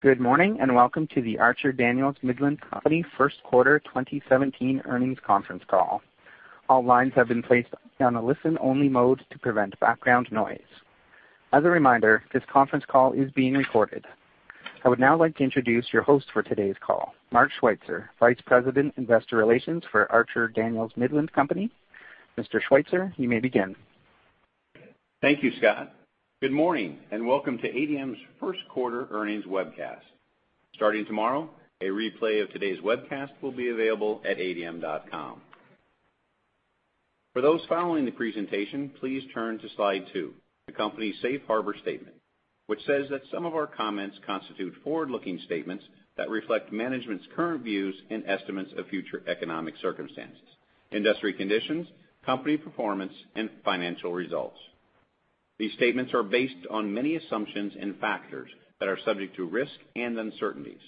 Good morning, welcome to the Archer Daniels Midland Company first quarter 2017 earnings conference call. All lines have been placed on a listen-only mode to prevent background noise. As a reminder, this conference call is being recorded. I would now like to introduce your host for today's call, Mark Schweitzer, Vice President, Investor Relations for Archer Daniels Midland Company. Mr. Schweitzer, you may begin. Thank you, Scott. Good morning, welcome to ADM's first quarter earnings webcast. Starting tomorrow, a replay of today's webcast will be available at adm.com. For those following the presentation, please turn to Slide 2, the company's safe harbor statement, which says that some of our comments constitute forward-looking statements that reflect management's current views and estimates of future economic circumstances, industry conditions, company performance and financial results. These statements are based on many assumptions and factors that are subject to risk and uncertainties.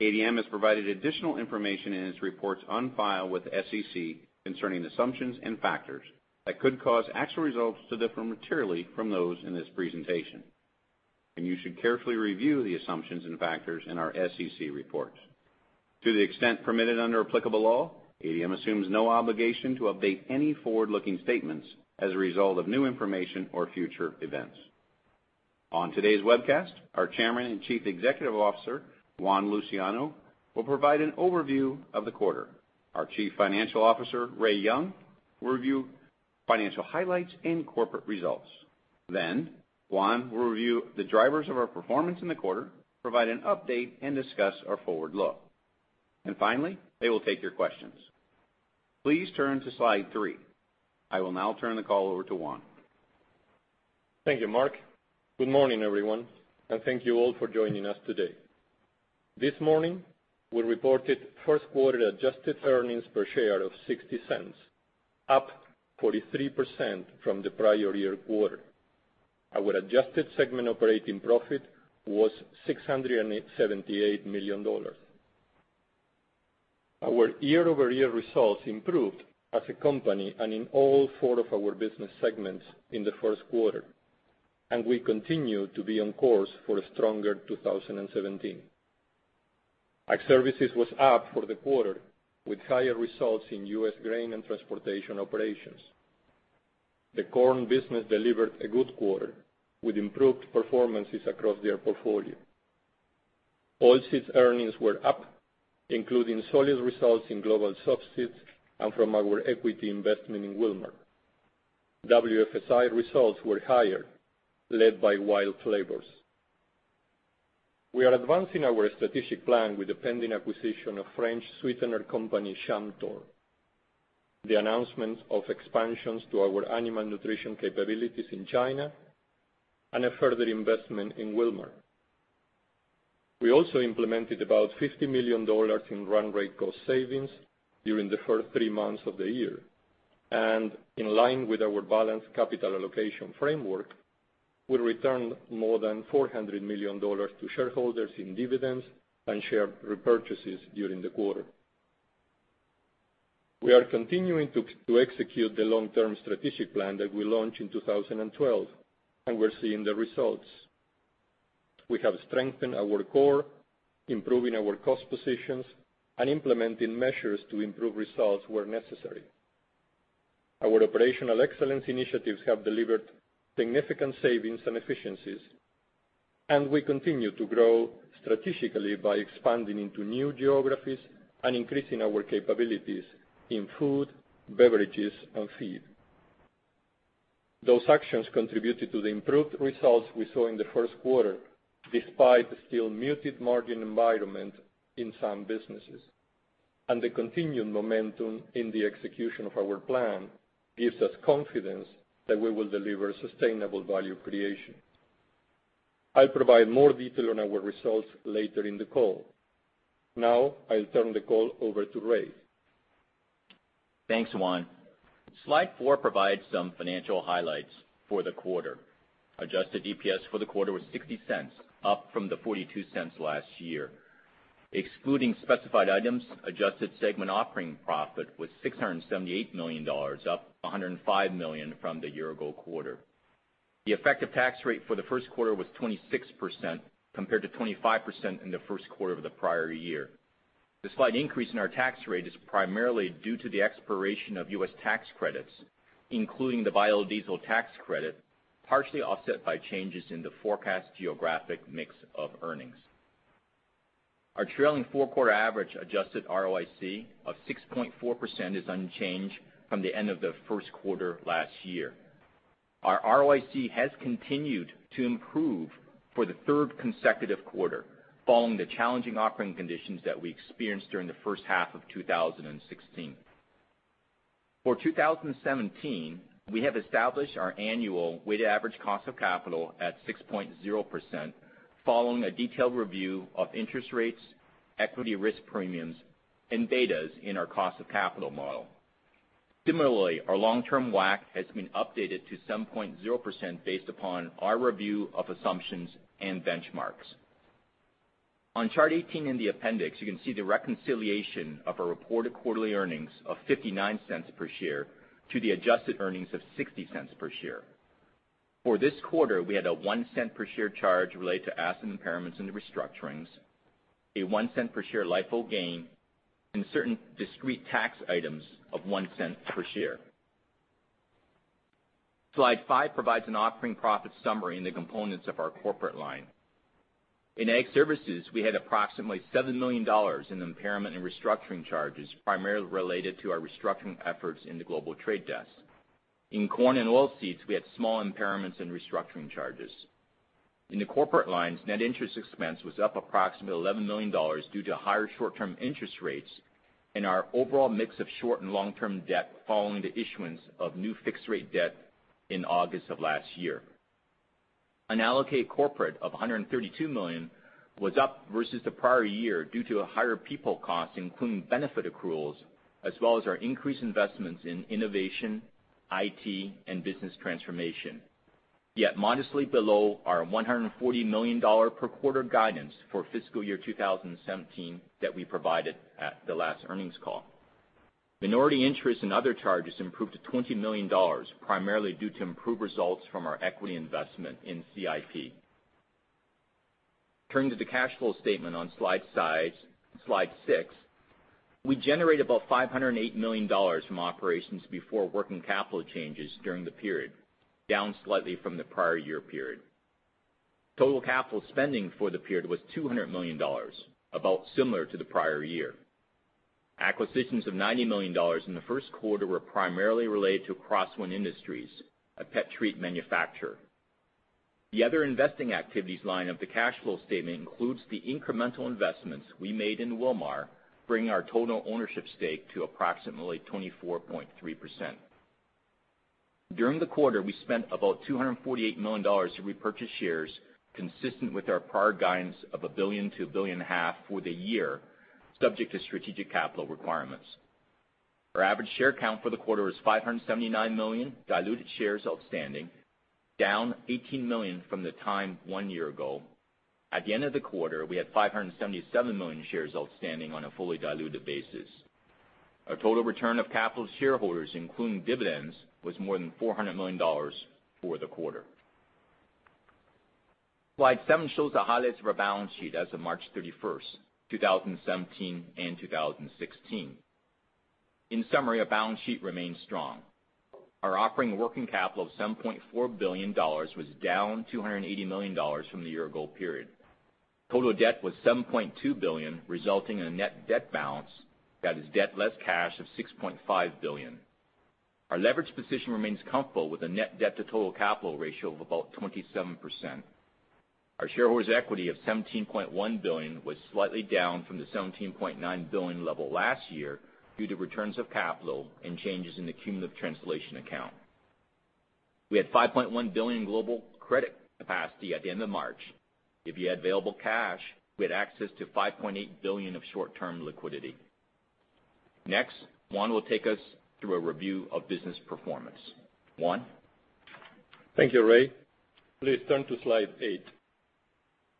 ADM has provided additional information in its reports on file with the SEC concerning assumptions and factors that could cause actual results to differ materially from those in this presentation. You should carefully review the assumptions and factors in our SEC reports. To the extent permitted under applicable law, ADM assumes no obligation to update any forward-looking statements as a result of new information or future events. On today's webcast, our Chairman and Chief Executive Officer, Juan Luciano, will provide an overview of the quarter. Our Chief Financial Officer, Ray Young, will review financial highlights and corporate results. Juan will review the drivers of our performance in the quarter, provide an update, and discuss our forward look. Finally, they will take your questions. Please turn to Slide 3. I will now turn the call over to Juan. Thank you, Mark. Good morning, everyone, thank you all for joining us today. This morning, we reported first quarter adjusted earnings per share of $0.60, up 43% from the prior year quarter. Our adjusted segment operating profit was $678 million. Our year-over-year results improved as a company in all four of our business segments in the first quarter. We continue to be on course for a stronger 2017. Ag Services was up for the quarter, with higher results in U.S. grain and transportation operations. The corn business delivered a good quarter, with improved performances across their portfolio. Oilseeds earnings were up, including solid results in global soft seeds and from our equity investment in Wilmar. WFSI results were higher, led by WILD Flavors. We are advancing our strategic plan with the pending acquisition of French sweetener company, Chamtor, the announcements of expansions to our Animal Nutrition capabilities in China, and a further investment in Wilmar. We also implemented about $50 million in run rate cost savings during the first three months of the year. In line with our balanced capital allocation framework, we returned more than $400 million to shareholders in dividends and share repurchases during the quarter. We are continuing to execute the long-term strategic plan that we launched in 2012, and we're seeing the results. We have strengthened our core, improving our cost positions and implementing measures to improve results where necessary. Our operational excellence initiatives have delivered significant savings and efficiencies, and we continue to grow strategically by expanding into new geographies and increasing our capabilities in food, beverages, and feed. Those actions contributed to the improved results we saw in the first quarter, despite the still muted margin environment in some businesses. The continued momentum in the execution of our plan gives us confidence that we will deliver sustainable value creation. I'll provide more detail on our results later in the call. Now, I'll turn the call over to Ray. Thanks, Juan. Slide four provides some financial highlights for the quarter. Adjusted EPS for the quarter was $0.60, up from the $0.42 last year. Excluding specified items, adjusted segment operating profit was $678 million, up $105 million from the year-ago quarter. The effective tax rate for the first quarter was 26%, compared to 25% in the first quarter of the prior year. The slight increase in our tax rate is primarily due to the expiration of U.S. tax credits, including the biodiesel tax credit, partially offset by changes in the forecast geographic mix of earnings. Our trailing four-quarter average adjusted ROIC of 6.4% is unchanged from the end of the first quarter last year. Our ROIC has continued to improve for the third consecutive quarter, following the challenging operating conditions that we experienced during the first half of 2016. For 2017, we have established our annual weighted average cost of capital at 6.0%, following a detailed review of interest rates, equity risk premiums, and betas in our cost of capital model. Similarly, our long-term WACC has been updated to 7.0% based upon our review of assumptions and benchmarks. On Chart 18 in the appendix, you can see the reconciliation of our reported quarterly earnings of $0.59 per share to the adjusted earnings of $0.60 per share. For this quarter, we had a $0.01 per share charge related to asset impairments into restructurings, a $0.01 per share LIFO gain and certain discrete tax items of $0.01 per share. Slide five provides an operating profit summary and the components of our corporate line. In Ag Services, we had approximately $7 million in impairment and restructuring charges, primarily related to our restructuring efforts in the Global Trade Desk. In Corn and Oilseeds, we had small impairments and restructuring charges. In the corporate lines, net interest expense was up approximately $11 million due to higher short-term interest rates in our overall mix of short and long-term debt following the issuance of new fixed rate debt in August of last year. Unallocated corporate of $132 million was up versus the prior year due to a higher people cost, including benefit accruals, as well as our increased investments in innovation, IT, and business transformation, yet modestly below our $140 million per quarter guidance for fiscal year 2017 that we provided at the last earnings call. Minority interest and other charges improved to $20 million, primarily due to improved results from our equity investment in CIP. Turning to the cash flow statement on slide six, we generate about $508 million from operations before working capital changes during the period, down slightly from the prior year period. Total capital spending for the period was $200 million, about similar to the prior year. Acquisitions of $90 million in the first quarter were primarily related to Crosswind Industries, a pet treat manufacturer. The other investing activities line of the cash flow statement includes the incremental investments we made in Wilmar, bringing our total ownership stake to approximately 24.3%. During the quarter, we spent about $248 million to repurchase shares, consistent with our prior guidance of $1 billion to $1.5 billion for the year, subject to strategic capital requirements. Our average share count for the quarter was 579 million diluted shares outstanding, down 18 million from the time one year ago. At the end of the quarter, we had 577 million shares outstanding on a fully diluted basis. Our total return of capital to shareholders, including dividends, was more than $400 million for the quarter. Slide seven shows the highlights of our balance sheet as of March 31st, 2017 and 2016. In summary, our balance sheet remains strong. Our operating working capital of $7.4 billion was down $280 million from the year ago period. Total debt was $7.2 billion, resulting in a net debt balance, that is, debt less cash of $6.5 billion. Our leverage position remains comfortable with a net debt to total capital ratio of about 27%. Our shareholders' equity of $17.1 billion was slightly down from the $17.9 billion level last year due to returns of capital and changes in the cumulative translation account. We had $5.1 billion global credit capacity at the end of March. If you add available cash, we had access to $5.8 billion of short-term liquidity. Next, Juan will take us through a review of business performance. Juan? Thank you, Ray. Please turn to slide eight.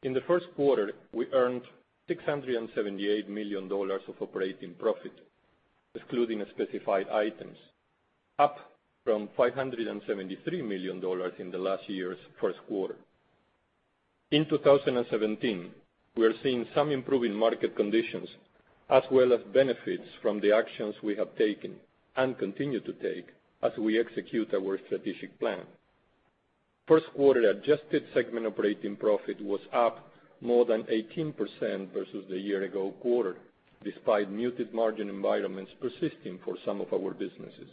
In the first quarter, we earned $678 million of operating profit, excluding specified items, up from $573 million in last year's first quarter. In 2017, we are seeing some improving market conditions, as well as benefits from the actions we have taken and continue to take as we execute our strategic plan. First quarter adjusted segment operating profit was up more than 18% versus the year-ago quarter, despite muted margin environments persisting for some of our businesses.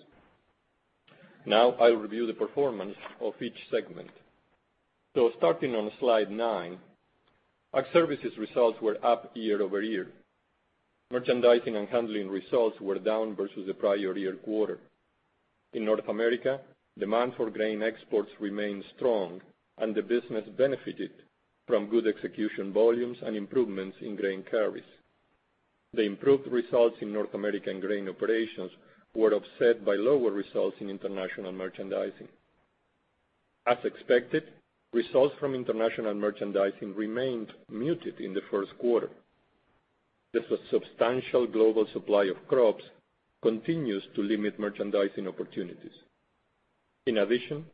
I'll review the performance of each segment. Starting on slide nine, Ag Services results were up year-over-year. Merchandising and handling results were down versus the prior year quarter. In North America, demand for grain exports remained strong, and the business benefited from good execution volumes and improvements in grain carries. The improved results in North American grain operations were offset by lower results in international merchandising. As expected, results from international merchandising remained muted in the first quarter. This was substantial global supply of crops continues to limit merchandising opportunities. In addition,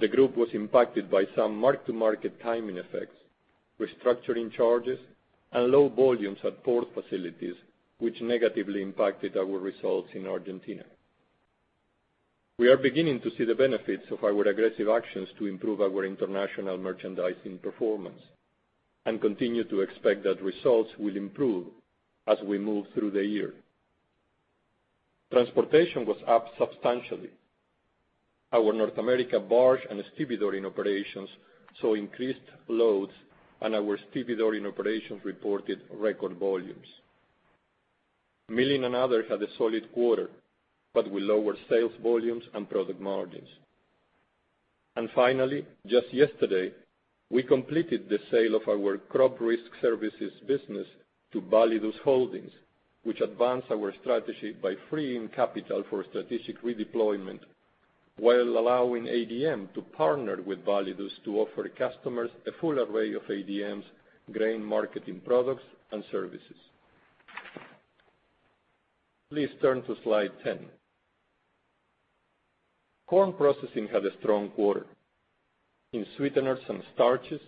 the group was impacted by some mark-to-market timing effects, restructuring charges, and low volumes at port facilities, which negatively impacted our results in Argentina. We are beginning to see the benefits of our aggressive actions to improve our international merchandising performance and continue to expect that results will improve as we move through the year. Transportation was up substantially. Our North America barge and stevedoring operations saw increased loads, and our stevedoring operations reported record volumes. Milling and Other had a solid quarter, but with lower sales volumes and product margins. Finally, just yesterday, we completed the sale of our Crop Risk Services business to Validus Holdings, which advanced our strategy by freeing capital for strategic redeployment while allowing ADM to partner with Validus to offer customers a full array of ADM's grain marketing products and services. Please turn to slide 10. Corn processing had a strong quarter. In sweeteners and starches,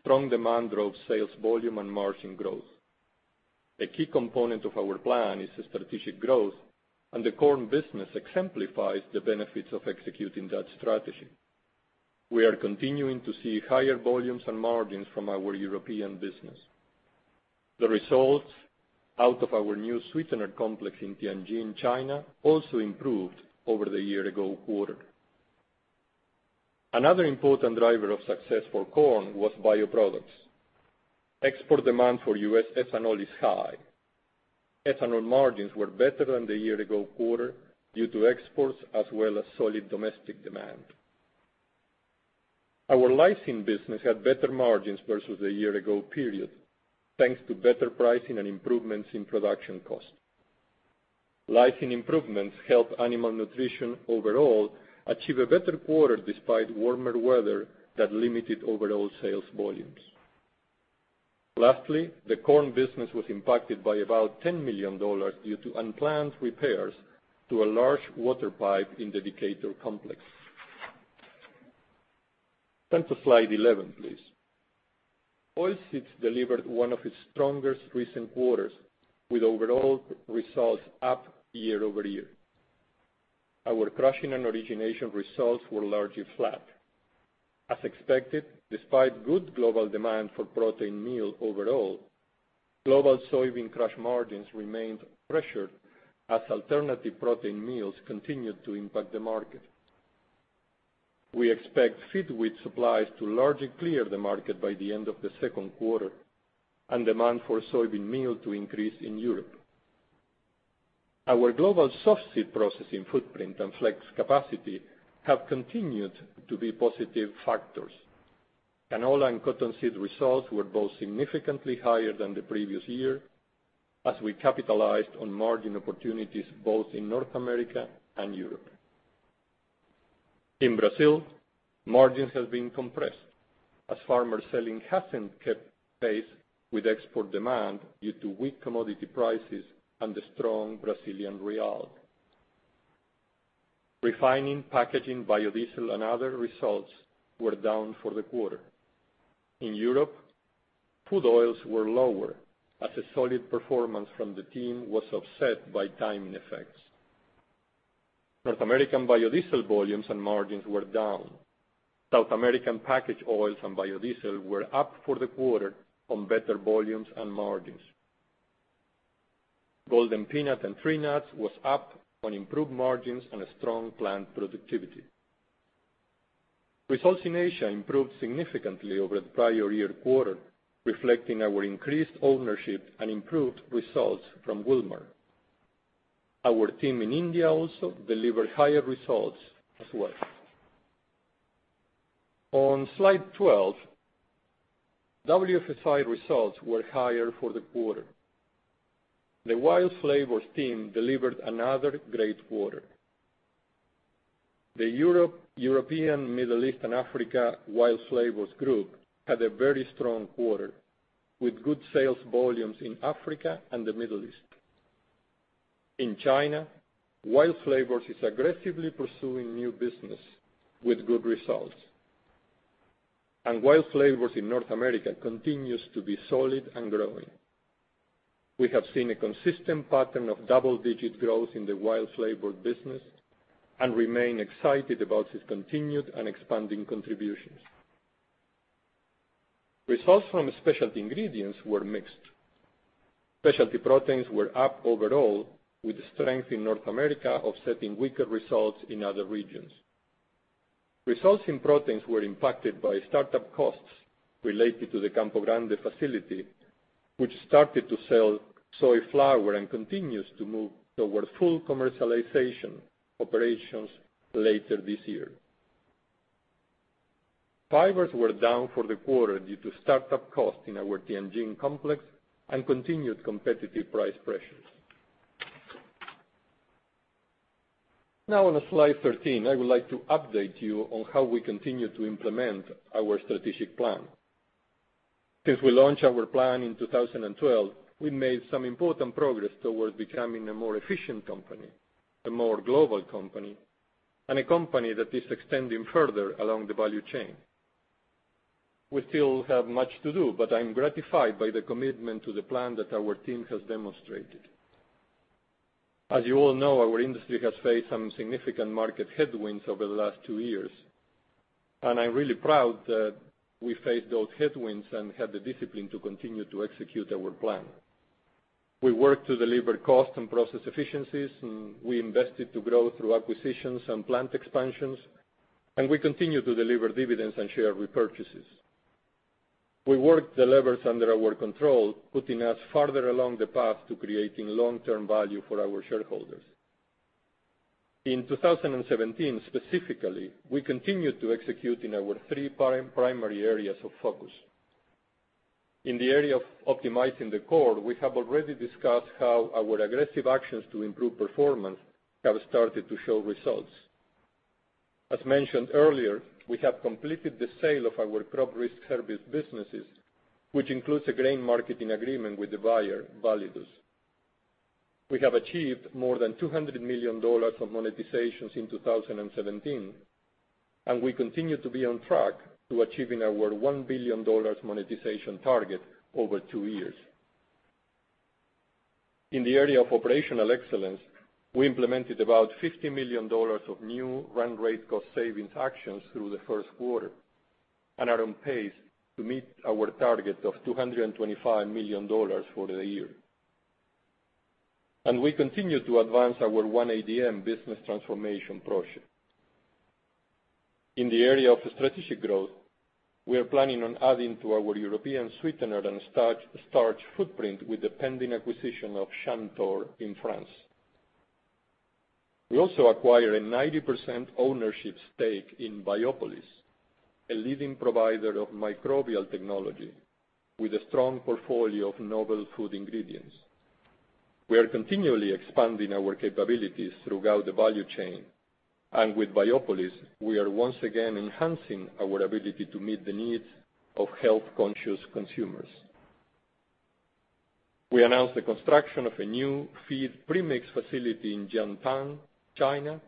strong demand drove sales volume and margin growth. A key component of our plan is strategic growth, and the corn business exemplifies the benefits of executing that strategy. We are continuing to see higher volumes and margins from our European business. The results out of our new sweetener complex in Tianjin, China, also improved over the year-ago quarter. Another important driver of success for corn was bioproducts. Export demand for U.S. ethanol is high. Ethanol margins were better than the year-ago quarter due to exports, as well as solid domestic demand. Our lysine business had better margins versus the year-ago period, thanks to better pricing and improvements in production cost. Lysine improvements help Animal Nutrition overall achieve a better quarter despite warmer weather that limited overall sales volumes. Lastly, the corn business was impacted by about $10 million due to unplanned repairs to a large water pipe in the Decatur complex. Turn to slide 11, please. Oilseeds delivered one of its strongest recent quarters, with overall results up year-over-year. Our crushing and origination results were largely flat. As expected, despite good global demand for protein meal overall, global soybean crush margins remained pressured as alternative protein meals continued to impact the market. We expect feed wheat supplies to largely clear the market by the end of the second quarter, and demand for soybean meal to increase in Europe. Our global soft seed processing footprint and flex capacity have continued to be positive factors. Canola and cottonseed results were both significantly higher than the previous year, as we capitalized on margin opportunities both in North America and Europe. In Brazil, margins have been compressed as farmer selling hasn't kept pace with export demand due to wheat commodity prices and the strong Brazilian real. Refining, packaging, biodiesel, and other results were down for the quarter. In Europe, food oils were lower as a solid performance from the team was upset by timing effects. North American biodiesel volumes and margins were down. South American packaged oils and biodiesel were up for the quarter on better volumes and margins. Golden Peanut and Tree Nuts was up on improved margins and a strong plant productivity. Results in Asia improved significantly over the prior year quarter, reflecting our increased ownership and improved results from Wilmar. Our team in India also delivered higher results as well. On slide 12, WFSI results were higher for the quarter. The WILD Flavors team delivered another great quarter. The European, Middle East, and Africa WILD Flavors group had a very strong quarter, with good sales volumes in Africa and the Middle East. In China, WILD Flavors is aggressively pursuing new business with good results. WILD Flavors in North America continues to be solid and growing. We have seen a consistent pattern of double-digit growth in the WILD Flavors business and remain excited about its continued and expanding contributions. Results from Specialty Ingredients were mixed. specialty proteins were up overall, with strength in North America offsetting weaker results in other regions. Results in proteins were impacted by startup costs related to the Campo Grande facility, which started to sell soy flour and continues to move toward full commercialization operations later this year. Fibers were down for the quarter due to start-up costs in our Tianjin complex and continued competitive price pressures. On slide 13, I would like to update you on how we continue to implement our strategic plan. Since we launched our plan in 2012, we made some important progress towards becoming a more efficient company, a more global company, and a company that is extending further along the value chain. We still have much to do, but I'm gratified by the commitment to the plan that our team has demonstrated. As you all know, our industry has faced some significant market headwinds over the last two years. I'm really proud that we faced those headwinds and had the discipline to continue to execute our plan. We worked to deliver cost and process efficiencies, we invested to grow through acquisitions and plant expansions, and we continue to deliver dividends and share repurchases. We worked the levers under our control, putting us farther along the path to creating long-term value for our shareholders. In 2017, specifically, we continued to execute in our three primary areas of focus. In the area of optimizing the core, we have already discussed how our aggressive actions to improve performance have started to show results. As mentioned earlier, we have completed the sale of our Crop Risk Services businesses, which includes a grain marketing agreement with the buyer, Validus. We have achieved more than $200 million of monetizations in 2017, and we continue to be on track to achieving our $1 billion monetization target over two years. In the area of operational excellence, we implemented about $50 million of new run rate cost savings actions through the first quarter and are on pace to meet our target of $225 million for the year. We continue to advance our One ADM business transformation project. In the area of strategic growth, we are planning on adding to our European sweetener and starch footprint with the pending acquisition of Chamtor in France. We also acquired a 90% ownership stake in Biopolis, a leading provider of microbial technology with a strong portfolio of novel food ingredients. We are continually expanding our capabilities throughout the value chain, and with Biopolis, we are once again enhancing our ability to meet the needs of health-conscious consumers. We announced the construction of a new feed premix facility in Zhangjiagang, China,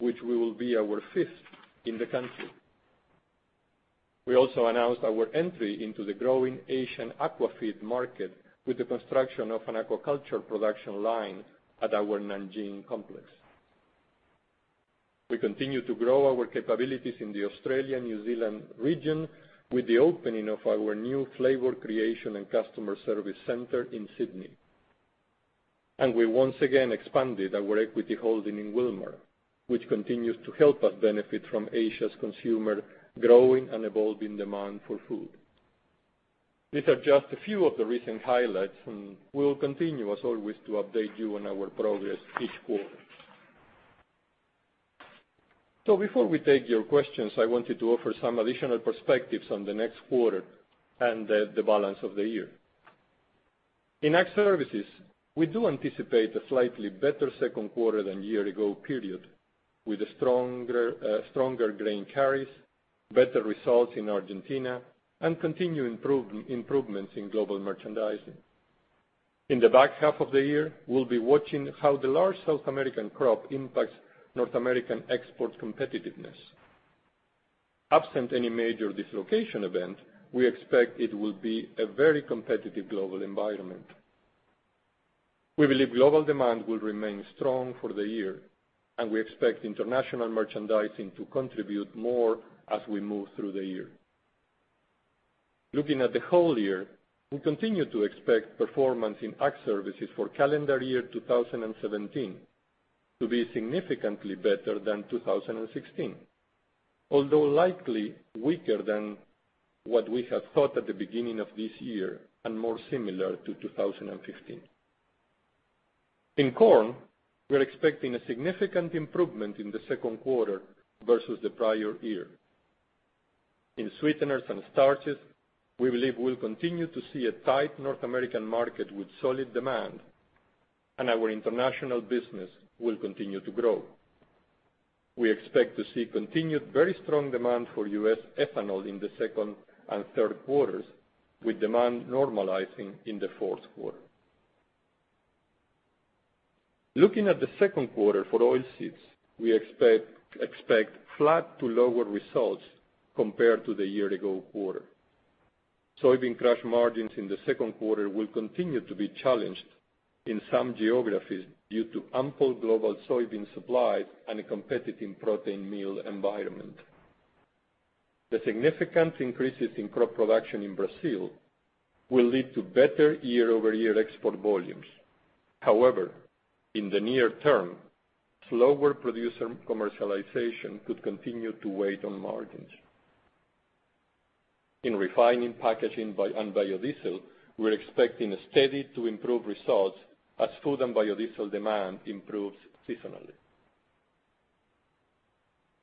which will be our fifth in the country. We also announced our entry into the growing Asian aquafeed market with the construction of an aquaculture production line at our Nanjing complex. We continue to grow our capabilities in the Australia-New Zealand region with the opening of our new flavor creation and customer service center in Sydney. We once again expanded our equity holding in Wilmar, which continues to help us benefit from Asia's consumer growing and evolving demand for food. These are just a few of the recent highlights, and we'll continue as always to update you on our progress each quarter. Before we take your questions, I wanted to offer some additional perspectives on the next quarter and the balance of the year. In Ag Services, we do anticipate a slightly better second quarter than year-ago period, with stronger grain carries, better results in Argentina, and continued improvements in global merchandising. In the back half of the year, we'll be watching how the large South American crop impacts North American export competitiveness. Absent any major dislocation event, we expect it will be a very competitive global environment. We believe global demand will remain strong for the year, and we expect international merchandising to contribute more as we move through the year. Looking at the whole year, we continue to expect performance in Ag Services for calendar year 2017 to be significantly better than 2016, although likely weaker than what we had thought at the beginning of this year, and more similar to 2015. In corn, we're expecting a significant improvement in the second quarter versus the prior year. In sweeteners and starches, we believe we'll continue to see a tight North American market with solid demand, and our international business will continue to grow. We expect to see continued very strong demand for U.S. ethanol in the second and third quarters, with demand normalizing in the fourth quarter. Looking at the second quarter for oilseeds, we expect flat to lower results compared to the year-ago quarter. Soybean crush margins in the second quarter will continue to be challenged in some geographies due to ample global soybean supply and a competitive protein meal environment. The significant increases in crop production in Brazil will lead to better year-over-year export volumes. However, in the near term, slower producer commercialization could continue to weigh on margins. In refining, packaging, and biodiesel, we're expecting steady to improved results as food and biodiesel demand improves seasonally.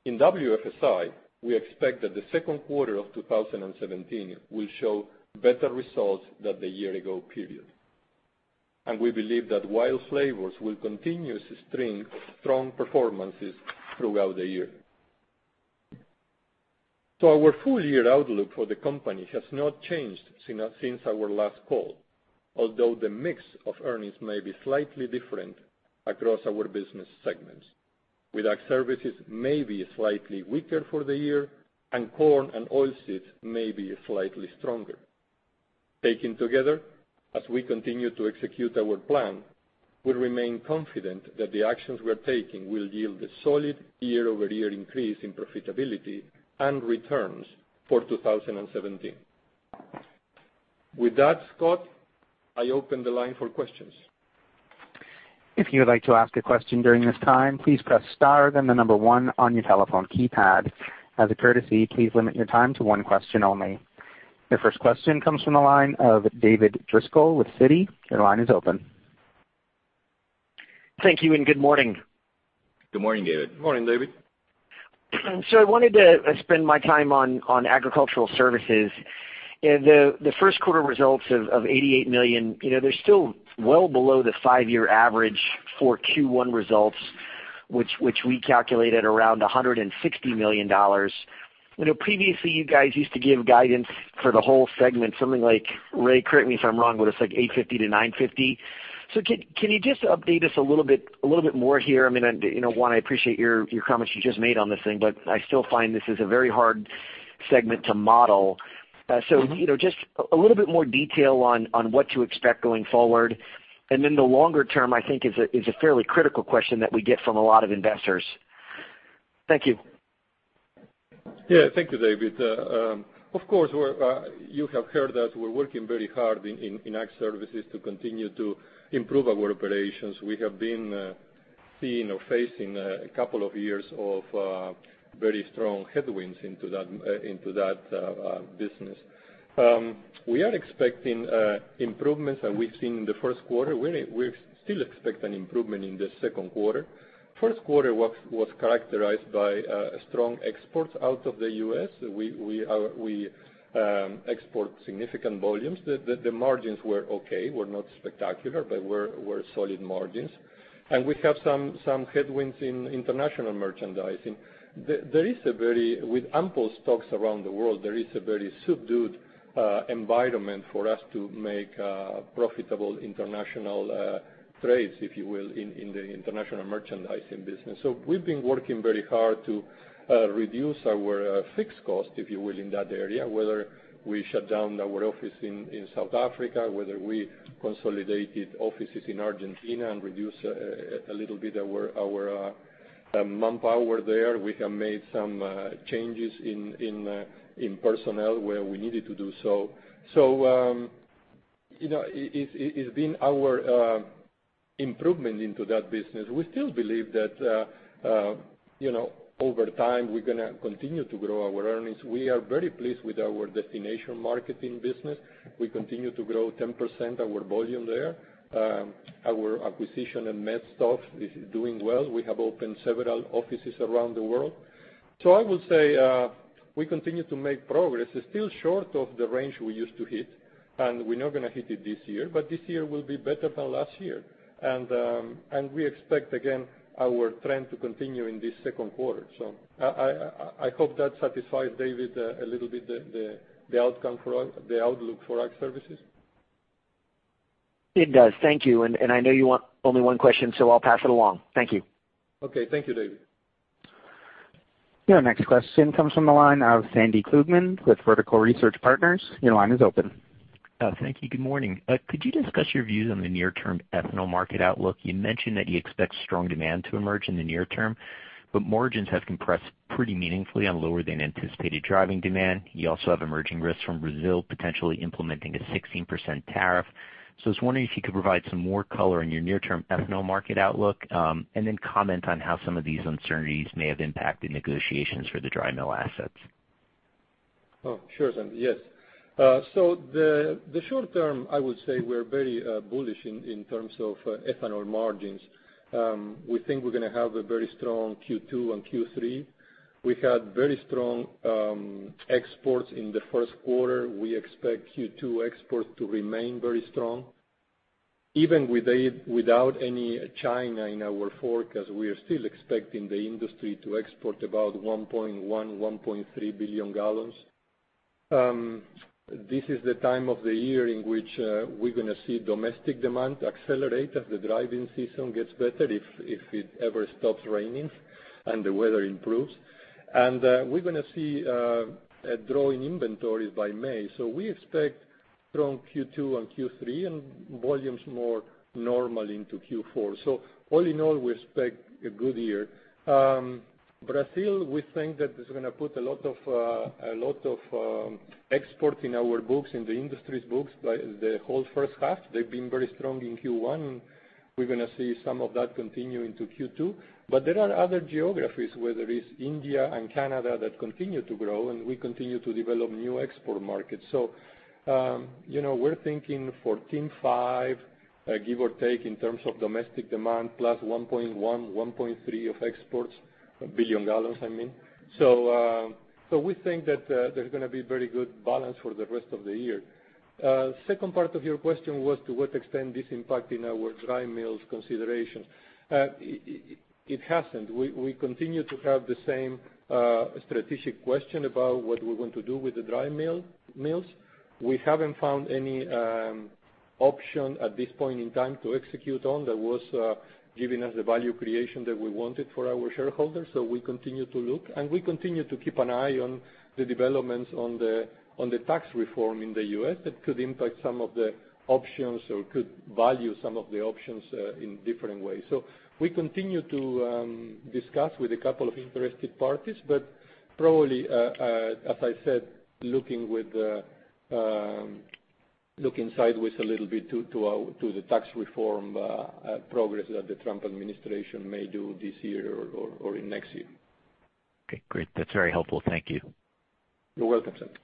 In WFSI, we expect that the second quarter of 2017 will show better results than the year-ago period, and we believe that WILD Flavors will continue to string strong performances throughout the year. Our full-year outlook for the company has not changed since our last call, although the mix of earnings may be slightly different across our business segments, with Ag Services maybe slightly weaker for the year, and corn and oilseeds may be slightly stronger. Taken together, as we continue to execute our plan, we remain confident that the actions we're taking will yield a solid year-over-year increase in profitability and returns for 2017. With that, Scott, I open the line for questions. If you would like to ask a question during this time, please press star, then the number 1 on your telephone keypad. As a courtesy, please limit your time to one question only. Your first question comes from the line of David Driscoll with Citi. Your line is open. Thank you, and good morning. Good morning, David. Good morning, David. I wanted to spend my time on Agricultural Services. The first quarter results of $88 million, they're still well below the five-year average for Q1 results, which we calculated around $160 million. Previously, you guys used to give guidance for the whole segment, something like, Ray, correct me if I'm wrong, but it's like $850 million to $950 million. Can you just update us a little bit more here? Juan, I appreciate your comments you just made on this thing, but I still find this is a very hard segment to model. Just a little bit more detail on what to expect going forward. The longer term, I think is a fairly critical question that we get from a lot of investors. Thank you. Yeah. Thank you, David. Of course, you have heard that we're working very hard in Ag Services to continue to improve our operations. We have been seeing or facing a couple of years of very strong headwinds into that business. We are expecting improvements, and we've seen the first quarter. We still expect an improvement in the second quarter. First quarter was characterized by strong exports out of the U.S. We export significant volumes. The margins were okay, were not spectacular, but were solid margins. We have some headwinds in international merchandising. With ample stocks around the world, there is a very subdued environment for us to make profitable international trades, if you will, in the international merchandising business. We've been working very hard to reduce our fixed cost, if you will, in that area, whether we shut down our office in South Africa, whether we consolidated offices in Argentina and reduce a little bit our manpower there. We have made some changes in personnel where we needed to do so. It's been our improvement into that business. We still believe that over time, we're going to continue to grow our earnings. We are very pleased with our destination marketing business. We continue to grow 10% our volume there. Our acquisition in Medsofts is doing well. We have opened several offices around the world. I would say we continue to make progress. It's still short of the range we used to hit, and we're not going to hit it this year, but this year will be better than last year. We expect, again, our trend to continue in this second quarter. I hope that satisfies David a little bit, the outlook for Ag Services. It does. Thank you. I know you want only one question, I'll pass it along. Thank you. Okay. Thank you, David. Your next question comes from the line of Sandy Klugman with Vertical Research Partners. Your line is open. Thank you. Good morning. Could you discuss your views on the near-term ethanol market outlook? You mentioned that you expect strong demand to emerge in the near term, but margins have compressed pretty meaningfully on lower than anticipated driving demand. You also have emerging risks from Brazil potentially implementing a 16% tariff. I was wondering if you could provide some more color on your near-term ethanol market outlook, and then comment on how some of these uncertainties may have impacted negotiations for the dry mill assets. Oh, sure, Sandy. Yes. The short term, I would say we're very bullish in terms of ethanol margins. We think we're going to have a very strong Q2 and Q3. We had very strong exports in the first quarter. We expect Q2 exports to remain very strong. Even without any China in our forecast, we are still expecting the industry to export about 1.1.3 billion gallons. This is the time of the year in which we're going to see domestic demand accelerate as the driving season gets better, if it ever stops raining and the weather improves. We're going to see a draw in inventories by May. We expect strong Q2 and Q3, and volumes more normal into Q4. All in all, we expect a good year. Brazil, we think that it's going to put a lot of export in our books, in the industry's books, by the whole first half. They've been very strong in Q1, and we're going to see some of that continue into Q2. There are other geographies where there is India and Canada that continue to grow, and we continue to develop new export markets. We're thinking 14.5, give or take, in terms of domestic demand, plus 1.1.3 of exports, billion gallons, I mean. We think that there's going to be very good balance for the rest of the year. Second part of your question was to what extent this impacting our dry mills consideration. It hasn't. We continue to have the same strategic question about what we're going to do with the dry mills. We haven't found any option at this point in time to execute on that was giving us the value creation that we wanted for our shareholders. We continue to look, and we continue to keep an eye on the developments on the tax reform in the U.S. that could impact some of the options or could value some of the options in different ways. We continue to discuss with a couple of interested parties, but probably, as I said, look inside with a little bit to the tax reform progress that the Trump administration may do this year or in next year. Okay, great. That's very helpful. Thank you. You're welcome, Sandy.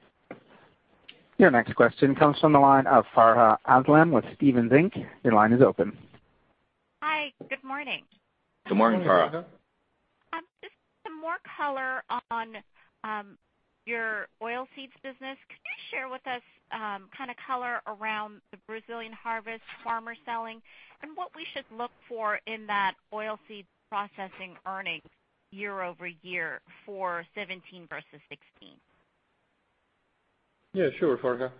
Your next question comes from the line of Farha Aslam with Stephens Inc. Your line is open. Hi. Good morning. Good morning, Farha. Color on your Oilseeds business. Could you share with us color around the Brazilian harvest farmer selling, and what we should look for in that Oilseeds processing earnings year-over-year for 2017 versus 2016? Yeah, sure, Farha.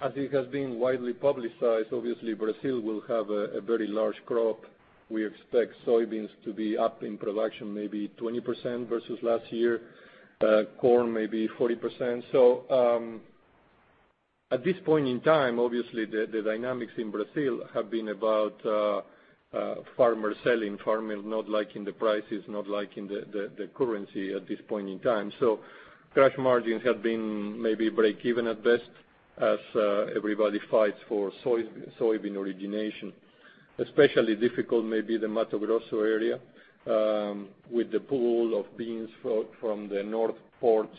As it has been widely publicized, obviously Brazil will have a very large crop. We expect soybeans to be up in production maybe 20% versus last year, corn maybe 40%. At this point in time, obviously the dynamics in Brazil have been about farmers selling, farmers not liking the prices, not liking the currency at this point in time. Crush margins have been maybe break-even at best as everybody fights for soybean origination. Especially difficult may be the Mato Grosso area, with the pool of beans from the north ports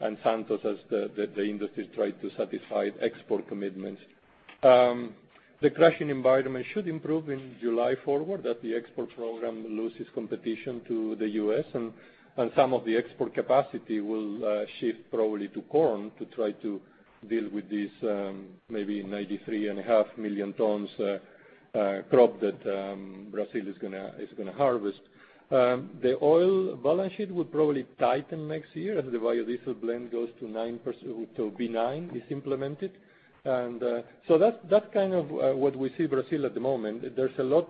and Santos as the industry try to satisfy export commitments. The crushing environment should improve in July forward, as the export program loses competition to the U.S., and some of the export capacity will shift probably to corn to try to deal with this maybe 93.5 million tons crop that Brazil is going to harvest. The oil balance sheet will probably tighten next year as the biodiesel blend goes to B9, is implemented. That's kind of what we see Brazil at the moment. There's a lot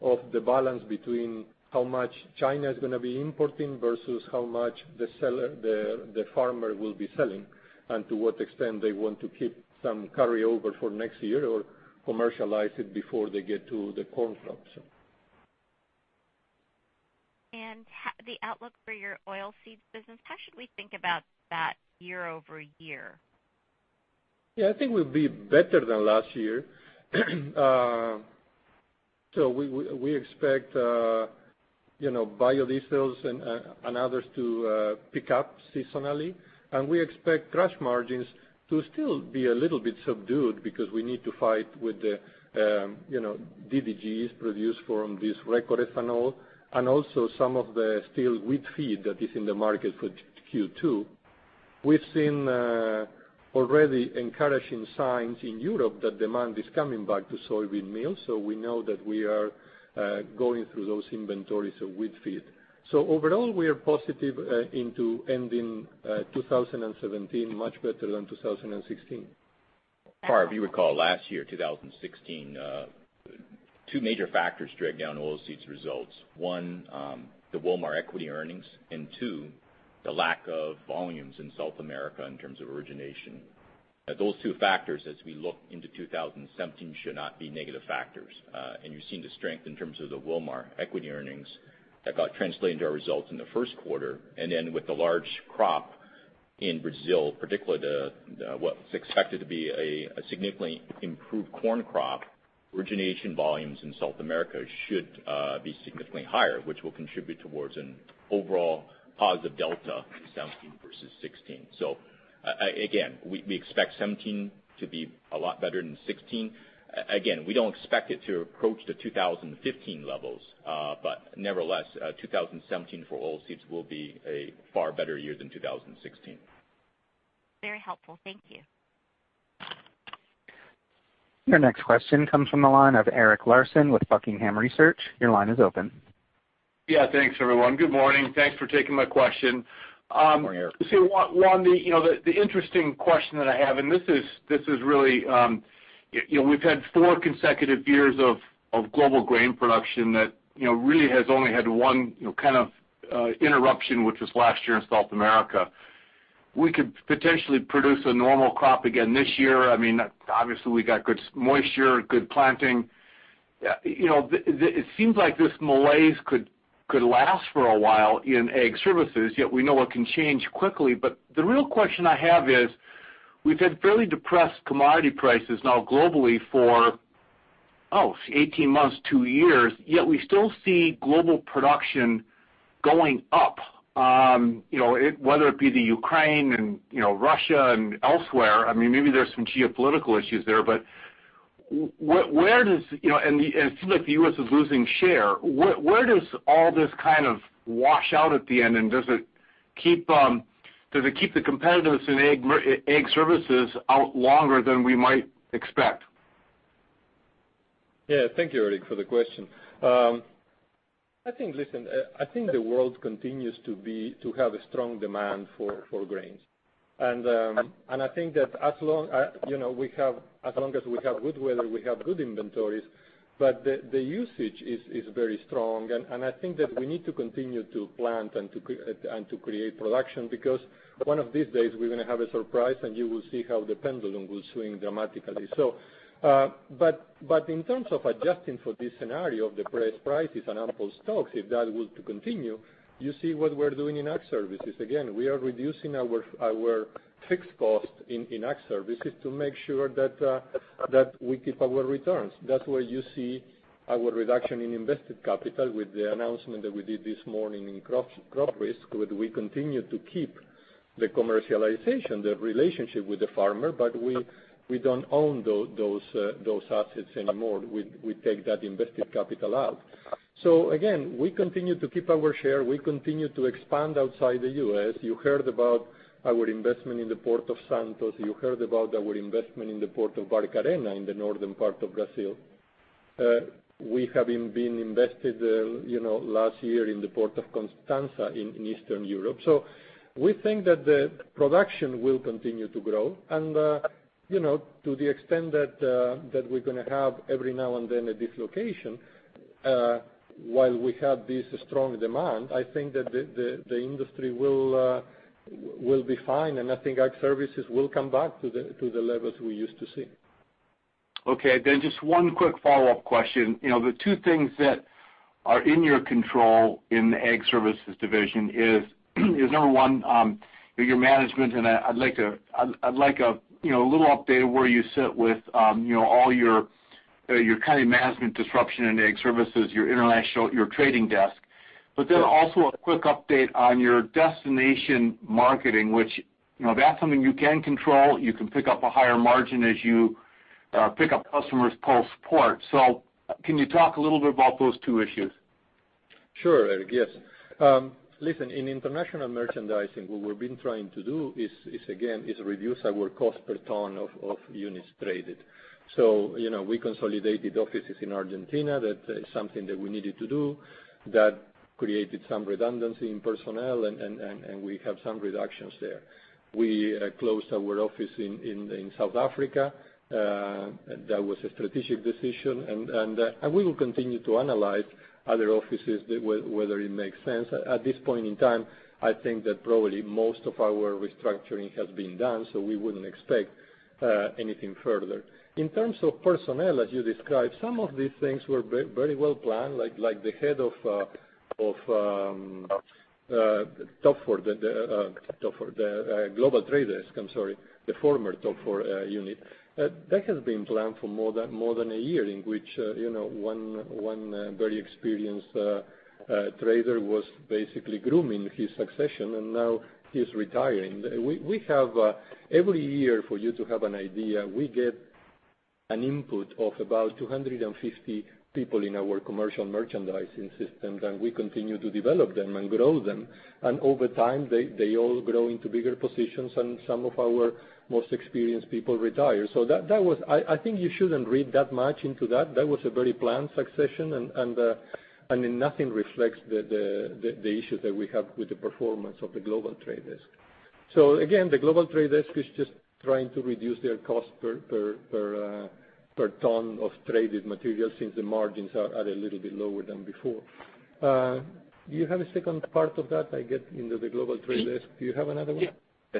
of the balance between how much China is going to be importing versus how much the farmer will be selling, and to what extent they want to keep some carryover for next year or commercialize it before they get to the corn crops. the outlook for your oilseeds business, how should we think about that year-over-year? Yeah, I think we'll be better than last year. We expect biodiesels and others to pick up seasonally, and we expect crush margins to still be a little bit subdued because we need to fight with the DDGs produced from this record ethanol, and also some of the still wheat feed that is in the market for Q2. We've seen already encouraging signs in Europe that demand is coming back to soybean meal, we know that we are going through those inventories of wheat feed. Overall, we are positive into ending 2017 much better than 2016. Farha, if you recall last year, 2016, two major factors dragged down oilseeds results. One, the Wilmar equity earnings, and two, the lack of volumes in South America in terms of origination. Those two factors, as we look into 2017, should not be negative factors. You're seeing the strength in terms of the Wilmar equity earnings that got translated into our results in the first quarter. Then with the large crop in Brazil, particularly what's expected to be a significantly improved corn crop, origination volumes in South America should be significantly higher, which will contribute towards an overall positive delta in '17 versus '16. Again, we expect '17 to be a lot better than '16. Again, we don't expect it to approach the 2015 levels. Nevertheless, 2017 for oilseeds will be a far better year than 2016. Very helpful. Thank you. Your next question comes from the line of Eric Larson with Buckingham Research. Your line is open. Yeah, thanks everyone. Good morning. Thanks for taking my question. Morning, Eric. Juan, the interesting question that I have. This is really, we've had four consecutive years of global grain production that really has only had one kind of interruption, which was last year in South America. We could potentially produce a normal crop again this year. Obviously, we got good moisture, good planting. It seems like this malaise could last for a while in Ag Services, yet we know it can change quickly. The real question I have is, we've had fairly depressed commodity prices now globally for 18 months, two years, yet we still see global production going up. Whether it be the Ukraine and Russia and elsewhere. Maybe there's some geopolitical issues there, it seems like the U.S. is losing share. Where does all this kind of wash out at the end, and does it keep the competitiveness in Ag Services out longer than we might expect? Yeah. Thank you, Eric, for the question. Listen, I think the world continues to have a strong demand for grains. I think that as long as we have good weather, we have good inventories, but the usage is very strong. I think that we need to continue to plant and to create production, because one of these days, we're going to have a surprise, and you will see how the pendulum will swing dramatically. In terms of adjusting for this scenario of depressed prices and ample stocks, if that was to continue, you see what we're doing in Ag Services. Again, we are reducing our fixed cost in Ag Services to make sure that we keep our returns. That's where you see our reduction in invested capital with the announcement that we did this morning in crop risk, where we continue to keep the commercialization, the relationship with the farmer, but we don't own those assets anymore. We take that invested capital out. Again, we continue to keep our share. We continue to expand outside the U.S. You heard about our investment in the Port of Santos. You heard about our investment in the Port of Barcarena in the northern part of Brazil. We have been invested last year in the Port of Constanța in Eastern Europe. We think that the production will continue to grow. To the extent that we're going to have every now and then a dislocation, while we have this strong demand, I think that the industry will be fine. I think Ag Services will come back to the levels we used to see. Okay, just one quick follow-up question. The two things that are in your control in the Ag Services division is, number one, your management. I'd like a little update of where you sit with all your kind of management disruption in Ag Services, your international, your trading desk. Also a quick update on your destination marketing, which, that's something you can control. You can pick up a higher margin as you pick up customers post-port. Can you talk a little bit about those two issues? Sure, Eric, yes. Listen, in international merchandising, what we've been trying to do is, again, is reduce our cost per ton of units traded. We consolidated offices in Argentina. That is something that we needed to do. That created some redundancy in personnel, and we have some reductions there. We closed our office in South Africa. That was a strategic decision. We will continue to analyze other offices, whether it makes sense. At this point in time, I think that probably most of our restructuring has been done, so we wouldn't expect anything further. In terms of personnel, as you described, some of these things were very well-planned, like the head of Toepfer, the Global Trade Desk, I'm sorry, the former Toepfer unit. That has been planned for more than a year, in which one very experienced trader was basically grooming his succession, and now he's retiring. Every year, for you to have an idea, we get an input of about 250 people in our commercial merchandising systems, and we continue to develop them and grow them. Over time, they all grow into bigger positions, and some of our most experienced people retire. I think you shouldn't read that much into that. That was a very planned succession, and nothing reflects the issues that we have with the performance of the Global Trade Desk. Again, the Global Trade Desk is just trying to reduce their cost per ton of traded material, since the margins are a little bit lower than before. Do you have a second part of that? I get into the Global Trade Desk. Do you have another one?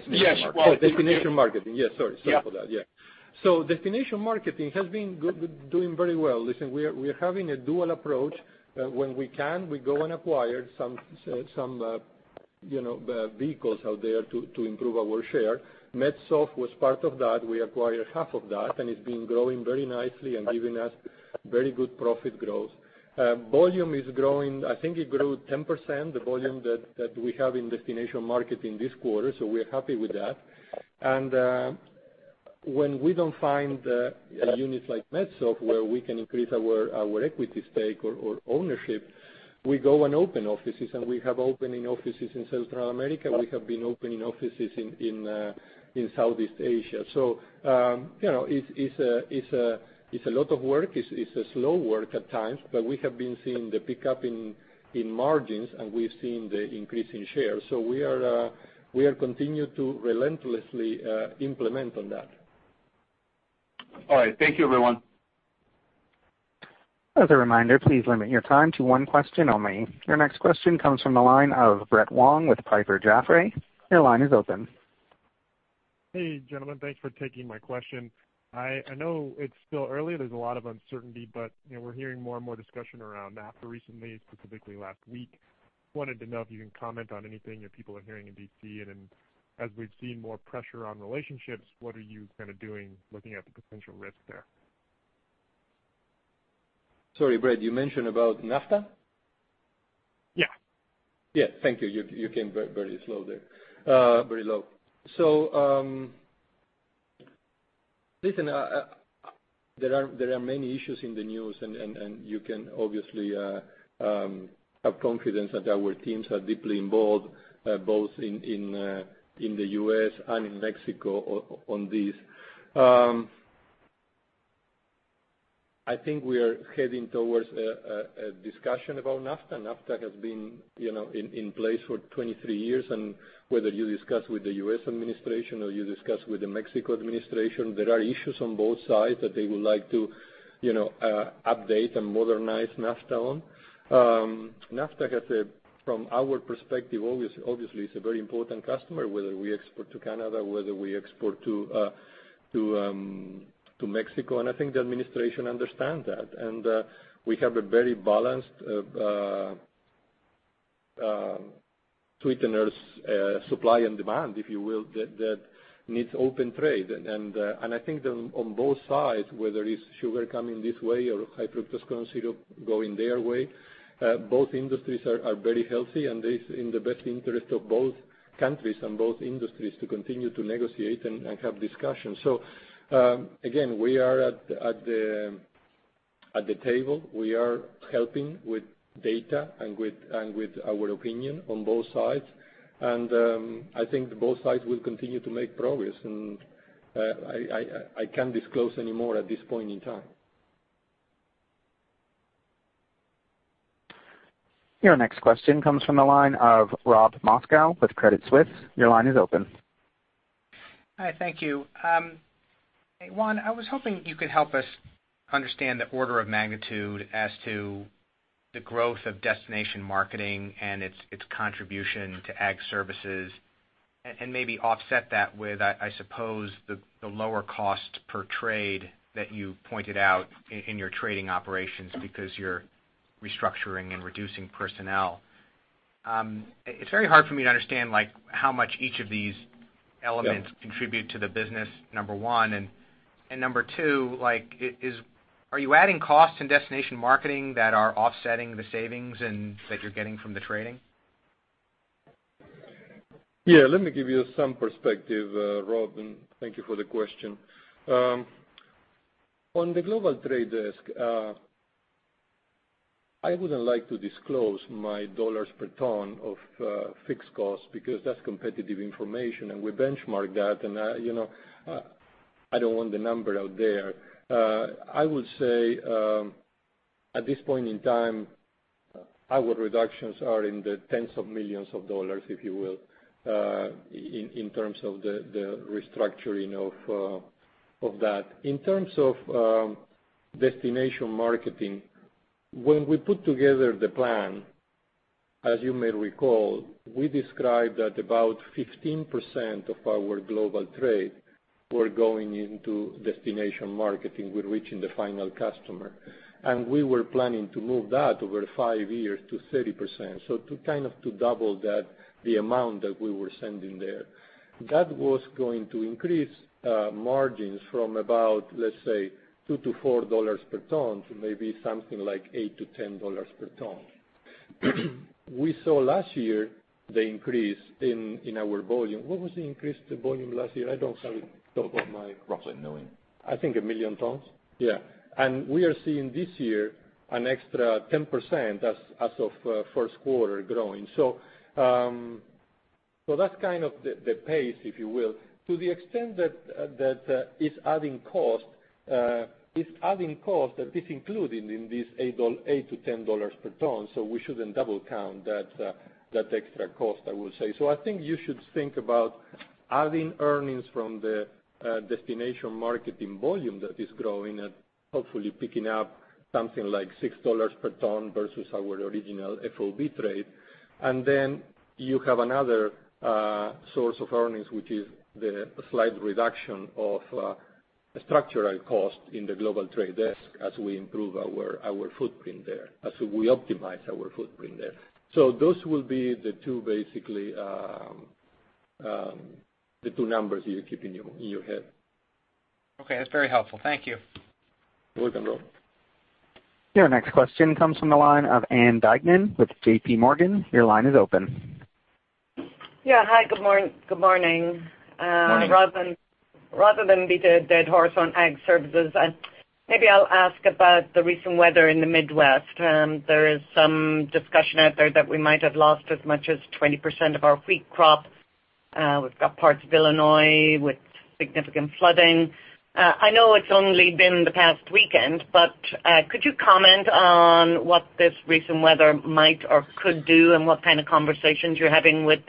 Yes. Oh, destination marketing. Yes, sorry for that. Destination marketing has been doing very well. Listen, we are having a dual approach. When we can, we go and acquire some vehicles out there to improve our share. Metsoft was part of that. We acquired half of that, and it's been growing very nicely and giving us very good profit growth. Volume is growing. I think it grew 10%, the volume that we have in destination marketing this quarter, so we are happy with that. When we don't find units like Metsoft where we can increase our equity stake or ownership, we go and open offices, and we have opening offices in Central America. We have been opening offices in Southeast Asia. It's a lot of work. It's a slow work at times. We have been seeing the pickup in margins, and we've seen the increase in shares. We are continue to relentlessly implement on that. All right. Thank you, everyone. As a reminder, please limit your time to one question only. Your next question comes from the line of Brett Wong with Piper Jaffray. Your line is open. Hey, gentlemen. Thanks for taking my question. I know it's still early. There's a lot of uncertainty, but we're hearing more and more discussion around NAFTA recently, specifically last week. Wanted to know if you can comment on anything that people are hearing in D.C. Then as we've seen more pressure on relationships, what are you kind of doing looking at the potential risk there? Sorry, Brett, you mentioned about NAFTA? Yeah. Yeah. Thank you. You came very slow there. Very low. Listen, there are many issues in the news, and you can obviously have confidence that our teams are deeply involved, both in the U.S. and in Mexico on this. I think we are heading towards a discussion about NAFTA. NAFTA has been in place for 23 years, and whether you discuss with the U.S. administration or you discuss with the Mexico administration, there are issues on both sides that they would like to update and modernize NAFTA on. NAFTA, from our perspective, obviously, is a very important customer, whether we export to Canada, whether we export to Mexico, and I think the administration understand that. We have a very balanced sweeteners supply and demand, if you will, that needs open trade. I think that on both sides, whether it's sugar coming this way or high-fructose corn syrup going their way, both industries are very healthy, and it's in the best interest of both countries and both industries to continue to negotiate and have discussions. Again, we are at the table. We are helping with data and with our opinion on both sides. I think both sides will continue to make progress and I can't disclose any more at this point in time. Your next question comes from the line of Robert Moskow with Credit Suisse. Your line is open. Hi, thank you. Juan, I was hoping you could help us understand the order of magnitude as to the growth of destination marketing and its contribution to Ag Services and maybe offset that with, I suppose, the lower cost per trade that you pointed out in your trading operations because you're restructuring and reducing personnel. It's very hard for me to understand how much each of these elements contribute to the business, number one. Number two, are you adding costs in destination marketing that are offsetting the savings that you're getting from the trading? Yeah, let me give you some perspective, Rob, and thank you for the question. On the Global Trade Desk, I wouldn't like to disclose my $ per ton of fixed cost because that's competitive information, and we benchmark that, and I don't want the number out there. I would say, at this point in time, our reductions are in the $ tens of millions, if you will, in terms of the restructuring of that. In terms of destination marketing, when we put together the plan, as you may recall, we described that about 15% of our global trade were going into destination marketing with reaching the final customer. We were planning to move that over five years to 30%. To kind of double the amount that we were sending there. That was going to increase margins from about, let's say, $2-$4 per ton to maybe something like $8-$10 per ton. We saw last year the increase in our volume. What was the increase to volume last year? I don't have it. Roughly $1 million. I think 1 million tons. Yeah. We are seeing this year an extra 10% as of first quarter growing. That's kind of the pace, if you will. To the extent that it's adding cost, it's adding cost that is included in this $8-$10 per ton, we shouldn't double count that extra cost, I will say. I think you should think about adding earnings from the destination marketing volume that is growing and hopefully picking up something like $6 per ton versus our original FOB trade. You have another source of earnings, which is the slight reduction of structural cost in the Global Trade Desk as we improve our footprint there, as we optimize our footprint there. Those will be the two basically, the two numbers you keep in your head. Okay, that's very helpful. Thank you. You're welcome, Rob. Your next question comes from the line of Ann Duignan with JP Morgan. Your line is open. Yeah. Hi, good morning. Morning. Rather than beat a dead horse on Ag Services, maybe I'll ask about the recent weather in the Midwest. There is some discussion out there that we might have lost as much as 20% of our wheat crop. We've got parts of Illinois with significant flooding. I know it's only been the past weekend, but could you comment on what this recent weather might or could do and what kind of conversations you're having with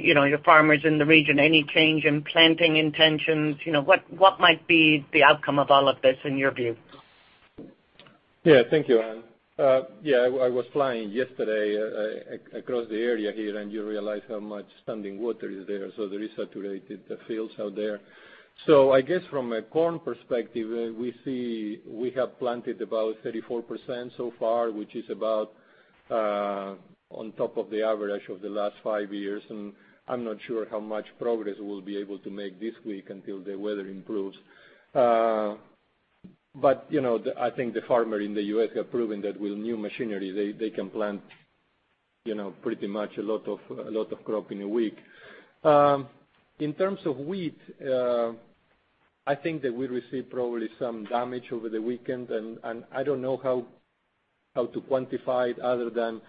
your farmers in the region? Any change in planting intentions? What might be the outcome of all of this in your view? Yeah. Thank you, Ann. I was flying yesterday across the area here, and you realize how much standing water is there. There is saturated fields out there. I guess from a corn perspective, we see we have planted about 34% so far, which is about on top of the average of the last 5 years, and I'm not sure how much progress we'll be able to make this week until the weather improves. I think the farmer in the U.S. have proven that with new machinery, they can plant pretty much a lot of crop in a week. In terms of wheat, I think that we received probably some damage over the weekend, and I don't know how to quantify it other than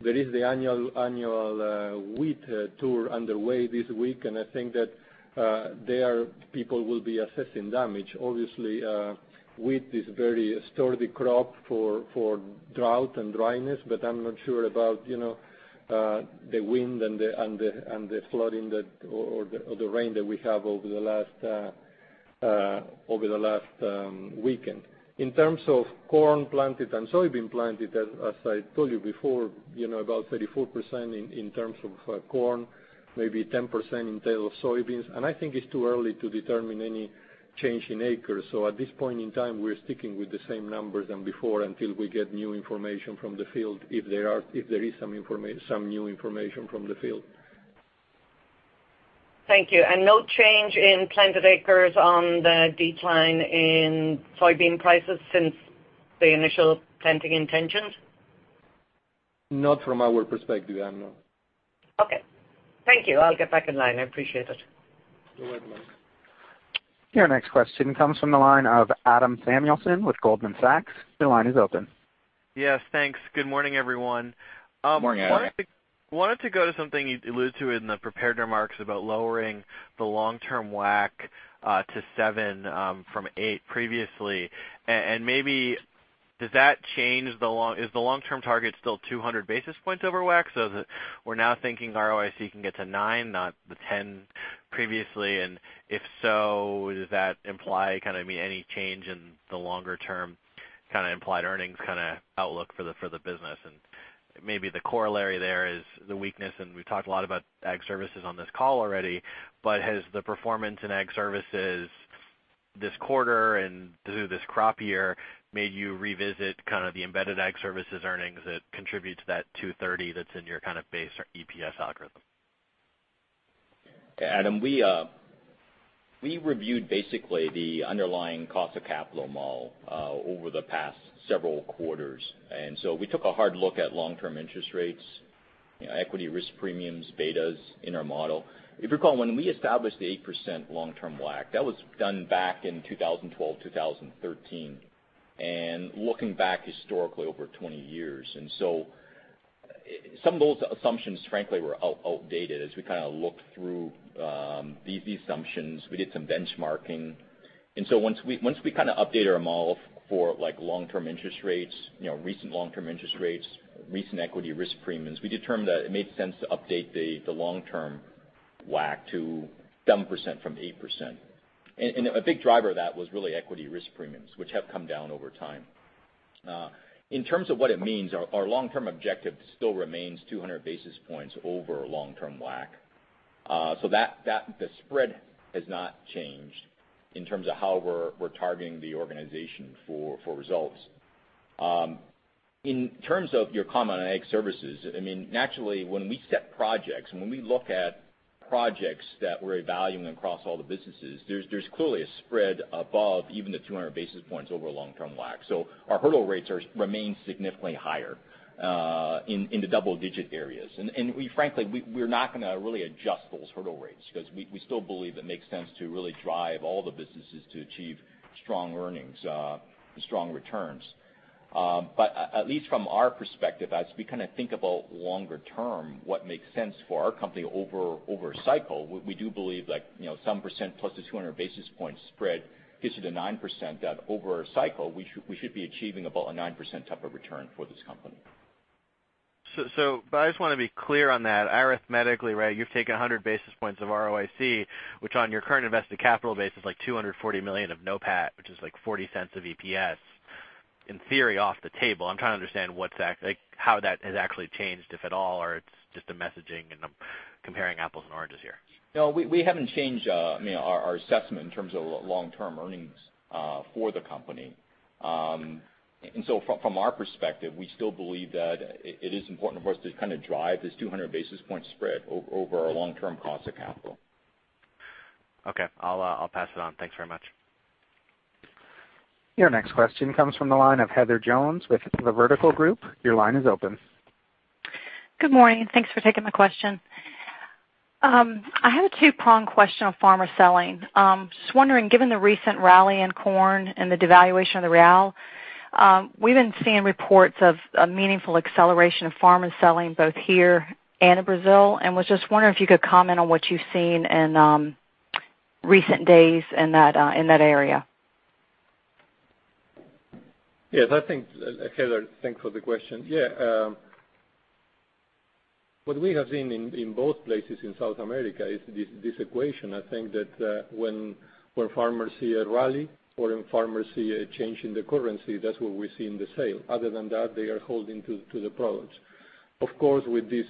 there is the annual wheat tour underway this week, and I think that their people will be assessing damage. Obviously, wheat is very sturdy crop for drought and dryness, I'm not sure about the wind and the flooding or the rain that we have over the last weekend. In terms of corn planted and soybean planted, as I told you before, about 34% in terms of corn, maybe 10% in tail of soybeans, I think it's too early to determine any change in acres. At this point in time, we're sticking with the same numbers than before until we get new information from the field, if there is some new information from the field. Thank you. No change in planted acres on the decline in soybean prices since the initial planting intentions? Not from our perspective, Ann. No. Okay. Thank you. I'll get back in line. I appreciate it. You're welcome. Your next question comes from the line of Adam Samuelson with Goldman Sachs. Your line is open. Yes, thanks. Good morning, everyone. Morning, Adam. Wanted to go to something you'd alluded to in the prepared remarks about lowering the long-term WACC to seven from eight previously. Maybe does that change the long-term target still 200 basis points over WACC? That we're now thinking ROIC can get to nine, not the 10 previously? If so, does that imply any change in the longer-term implied earnings outlook for the business? Maybe the corollary there is the weakness, and we've talked a lot about Ag Services on this call already, but has the performance in Ag Services this quarter and through this crop year made you revisit the embedded Ag Services earnings that contribute to that 230 that's in your base EPS algorithm? Adam, we reviewed basically the underlying cost of capital model over the past several quarters. We took a hard look at long-term interest rates, equity risk premiums, betas in our model. If you recall, when we established the 8% long-term WACC, that was done back in 2012, 2013, and looking back historically over 20 years. Some of those assumptions, frankly, were outdated as we looked through these assumptions. We did some benchmarking. Once we updated our model for recent long-term interest rates, recent equity risk premiums, we determined that it made sense to update the long-term WACC to 7% from 8%. A big driver of that was really equity risk premiums, which have come down over time. In terms of what it means, our long-term objective still remains 200 basis points over long-term WACC. The spread has not changed in terms of how we're targeting the organization for results. In terms of your comment on Ag Services, naturally, when we set projects and when we look at projects that we're evaluating across all the businesses, there's clearly a spread above even the 200 basis points over long-term WACC. Our hurdle rates remain significantly higher, in the double-digit areas. Frankly, we're not going to really adjust those hurdle rates because we still believe it makes sense to really drive all the businesses to achieve strong earnings, strong returns. At least from our perspective, as we think about longer term, what makes sense for our company over a cycle, we do believe 7% plus the 200 basis point spread gets you to 9%, that over a cycle, we should be achieving about a 9% type of return for this company. I just want to be clear on that. Arithmetically, you've taken 100 basis points of ROIC, which on your current invested capital base is like $240 million of NOPAT, which is like $0.40 of EPS, in theory, off the table. I'm trying to understand how that has actually changed, if at all, or it's just a messaging and I'm comparing apples and oranges here. No, we haven't changed our assessment in terms of long-term earnings for the company. From our perspective, we still believe that it is important for us to drive this 200 basis point spread over our long-term cost of capital. Okay. I'll pass it on. Thanks very much. Your next question comes from the line of Heather Jones with The Vertical Group. Your line is open. Good morning. Thanks for taking my question. I have a two-pronged question on farmer selling. Just wondering, given the recent rally in corn and the devaluation of the real, we've been seeing reports of a meaningful acceleration of farmer selling both here and in Brazil, was just wondering if you could comment on what you've seen in recent days in that area. Yes, Heather, thanks for the question. What we have seen in both places in South America is this equation. I think that when farmers see a rally or when farmers see a change in the currency, that's where we see in the sale. Other than that, they are holding to the products. Of course, with these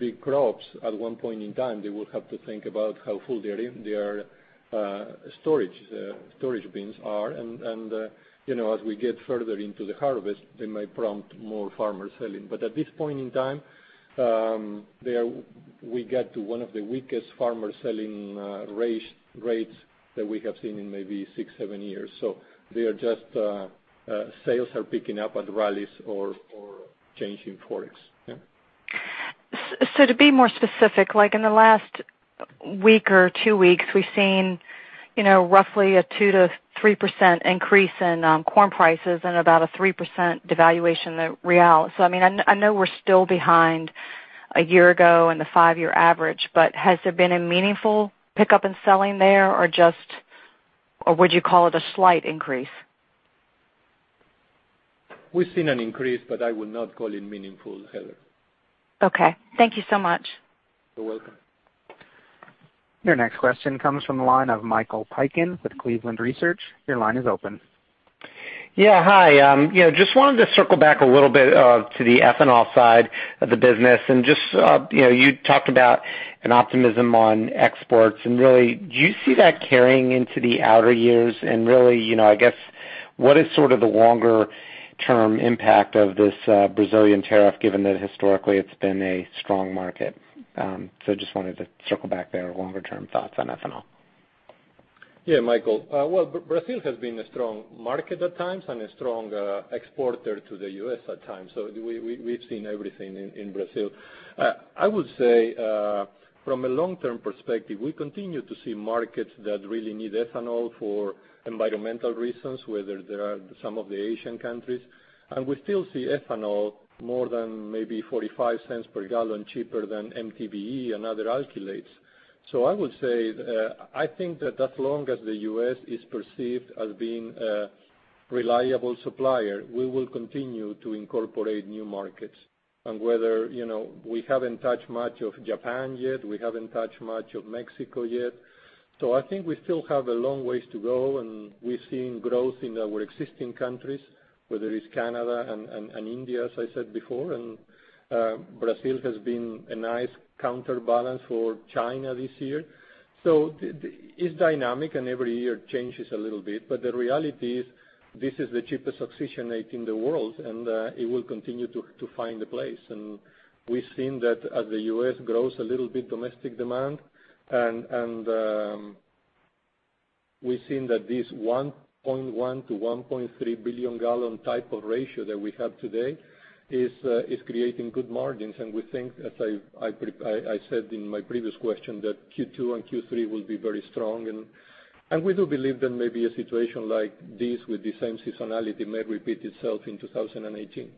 big crops, at one point in time, they will have to think about how full their storage bins are. As we get further into the harvest, they might prompt more farmer selling. At this point in time, we get to one of the weakest farmer selling rates that we have seen in maybe six, seven years. Sales are picking up at rallies or change in Forex. Yeah. To be more specific, like in the last week or two weeks, we've seen roughly a 2%-3% increase in corn prices and about a 3% devaluation of BRL. I know we're still behind a year ago and the five-year average, but has there been a meaningful pickup in selling there or would you call it a slight increase? We've seen an increase, I would not call it meaningful, Heather. Okay. Thank you so much. You're welcome. Your next question comes from the line of Michael Piken with Cleveland Research. Your line is open. Yeah. Hi. Just wanted to circle back a little bit to the ethanol side of the business. Just you talked about an optimism on exports. Really, do you see that carrying into the outer years? Really, I guess, what is sort of the longer term impact of this Brazilian tariff, given that historically it's been a strong market? Just wanted to circle back there, longer term thoughts on ethanol. Yeah, Michael. Well, Brazil has been a strong market at times and a strong exporter to the U.S. at times. We've seen everything in Brazil. I would say from a long-term perspective, we continue to see markets that really need ethanol for environmental reasons, whether they are some of the Asian countries. We still see ethanol more than maybe $0.45 per gallon cheaper than MTBE and other alkylates. I would say, I think that as long as the U.S. is perceived as being a reliable supplier, we will continue to incorporate new markets. Whether we haven't touched much of Japan yet, we haven't touched much of Mexico yet. I think we still have a long ways to go. We're seeing growth in our existing countries, whether it's Canada and India, as I said before. Brazil has been a nice counterbalance for China this year. It's dynamic. Every year changes a little bit. The reality is, this is the cheapest oxygenate in the world. It will continue to find a place. We've seen that as the U.S. grows a little bit domestic demand. We've seen that this 1.1 billion-1.3 billion gallon type of ratio that we have today is creating good margins. We think, as I said in my previous question, that Q2 and Q3 will be very strong. We do believe that maybe a situation like this with the same seasonality may repeat itself in 2018.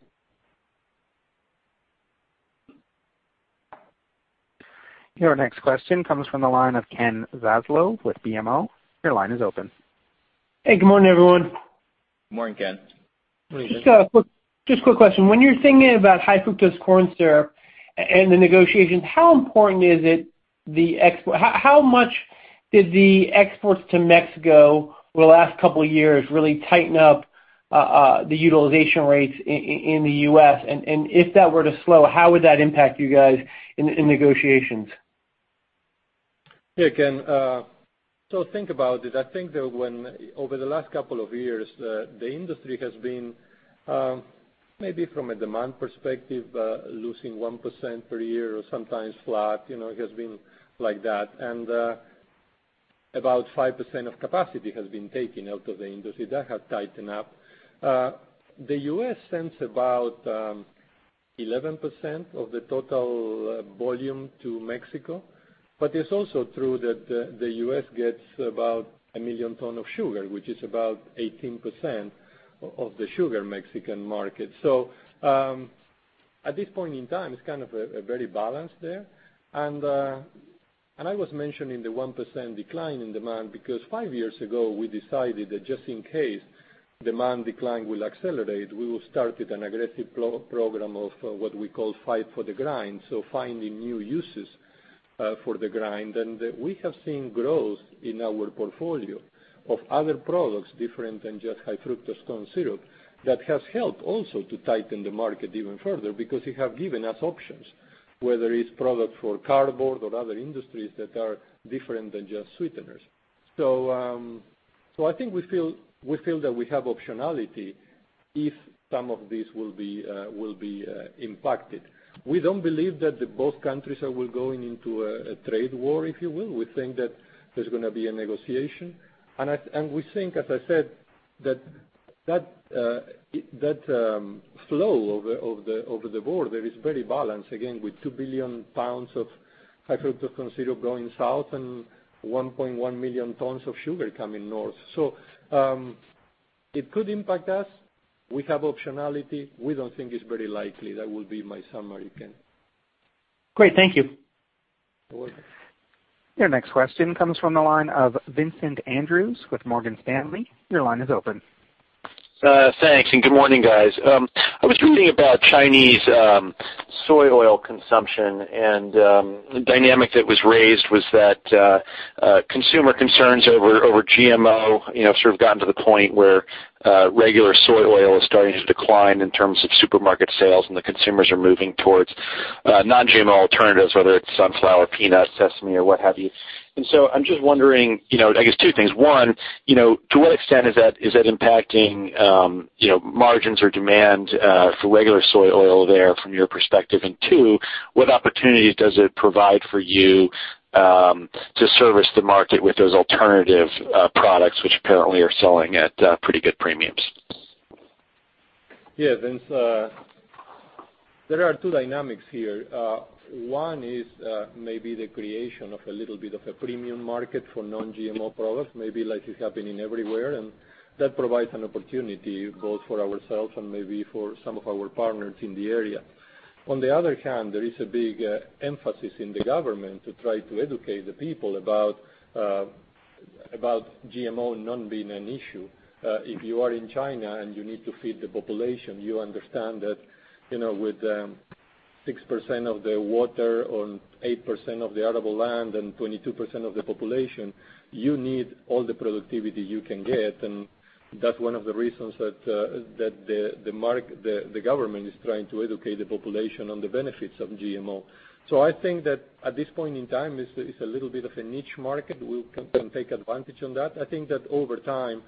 Your next question comes from the line of Ken Zaslow with BMO. Your line is open. Hey, good morning, everyone. Morning, Ken. Just a quick question. When you're thinking about high-fructose corn syrup and the negotiations, how much did the exports to Mexico over the last couple of years really tighten up the utilization rates in the U.S.? If that were to slow, how would that impact you guys in negotiations? Yes, Ken. Think about it. I think that when over the last couple of years, the industry has been maybe from a demand perspective, losing 1% per year or sometimes flat. It has been like that. About 5% of capacity has been taken out of the industry. That has tightened up. The U.S. sends about 11% of the total volume to Mexico, but it's also true that the U.S. gets about 1 million tons of sugar, which is about 18% of the sugar Mexican market. At this point in time, it's kind of very balanced there. I was mentioning the 1% decline in demand because five years ago we decided that just in case demand decline will accelerate, we will start an aggressive program of what we call Fight for the Grind. Finding new uses for the grind. We have seen growth in our portfolio of other products different than just high-fructose corn syrup. That has helped also to tighten the market even further because it has given us options, whether it's product for cardboard or other industries that are different than just sweeteners. I think we feel that we have optionality if some of this will be impacted. We don't believe that both countries are going into a trade war, if you will. We think that there's going to be a negotiation. We think, as I said, that flow over the border is very balanced again with 2 billion pounds of high-fructose corn syrup going south and 1.1 million tons of sugar coming north. It could impact us. We have optionality. We don't think it's very likely. That will be my summary, Ken. Great. Thank you. You're welcome. Your next question comes from the line of Vincent Andrews with Morgan Stanley. Your line is open. Thanks. Good morning, guys. I was reading about Chinese soy oil consumption, and the dynamic that was raised was that consumer concerns over GMO sort of gotten to the point where regular soy oil is starting to decline in terms of supermarket sales, and the consumers are moving towards non-GMO alternatives, whether it's sunflower, peanut, sesame, or what have you. I'm just wondering, I guess two things. One, to what extent is that impacting margins or demand for regular soy oil there from your perspective? Two, what opportunities does it provide for you to service the market with those alternative products which apparently are selling at pretty good premiums? Yeah, Vince. There are two dynamics here. One is maybe the creation of a little bit of a premium market for non-GMO products, maybe like is happening everywhere. That provides an opportunity both for ourselves and maybe for some of our partners in the area. On the other hand, there is a big emphasis in the government to try to educate the people about GMO not being an issue. If you are in China and you need to feed the population, you understand that with 6% of the water or 8% of the arable land and 22% of the population, you need all the productivity you can get. That's one of the reasons that the government is trying to educate the population on the benefits of GMO. I think that at this point in time, it's a little bit of a niche market. We can take advantage on that. I think that over time,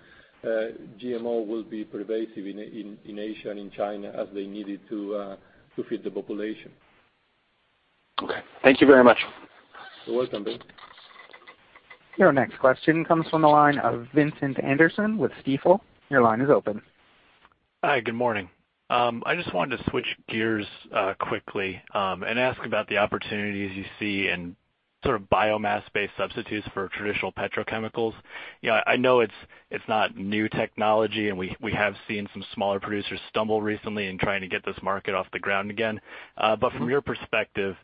GMO will be pervasive in Asia and in China as they need it to feed the population. Okay. Thank you very much. You're welcome. Your next question comes from the line of Vincent Anderson with Stifel. Your line is open. Hi, good morning. I just wanted to switch gears quickly, and ask about the opportunities you see in sort of biomass-based substitutes for traditional petrochemicals. I know it's not new technology, and we have seen some smaller producers stumble recently in trying to get this market off the ground again. From your perspective,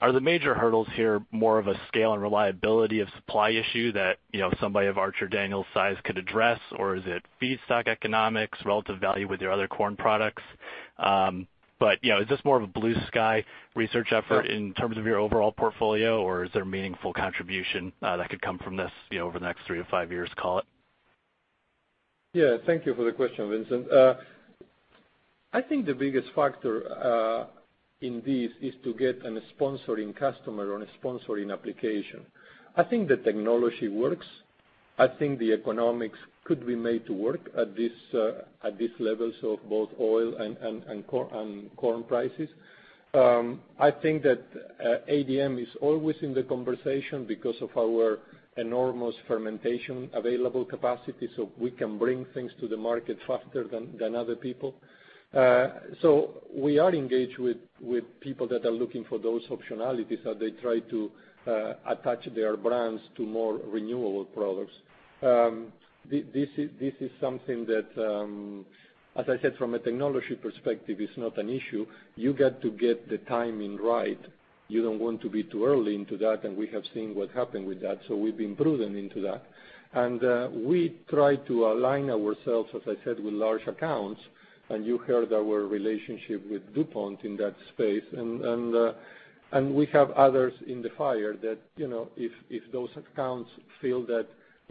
are the major hurdles here more of a scale and reliability of supply issue that somebody of Archer Daniels size could address? Or is it feedstock economics, relative value with your other corn products? Is this more of a blue sky research effort in terms of your overall portfolio, or is there meaningful contribution that could come from this over the next three to five years, call it? Yeah. Thank you for the question, Vincent. I think the biggest factor in this is to get a sponsoring customer or a sponsoring application. I think the technology works. I think the economics could be made to work at these levels of both oil and corn prices. I think that ADM is always in the conversation because of our enormous fermentation available capacity, so we can bring things to the market faster than other people. We are engaged with people that are looking for those optionalities as they try to attach their brands to more renewable products. This is something that, as I said, from a technology perspective, it's not an issue. You got to get the timing right. You don't want to be too early into that, and we have seen what happened with that, so we've been prudent into that. We try to align ourselves, as I said, with large accounts, and you heard our relationship with DuPont in that space. We have others in the fire that if those accounts feel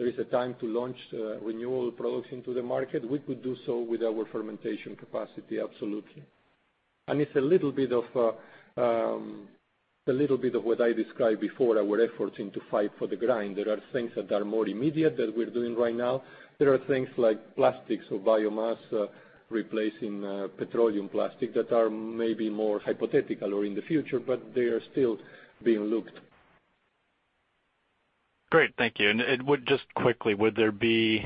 that there is a time to launch renewal products into the market, we could do so with our fermentation capacity, absolutely. It's a little bit of what I described before, our efforts into Fight for the Grind. There are things that are more immediate that we're doing right now. There are things like plastics or biomass replacing petroleum plastic that are maybe more hypothetical or in the future, but they are still being looked. Great. Thank you. Just quickly, as you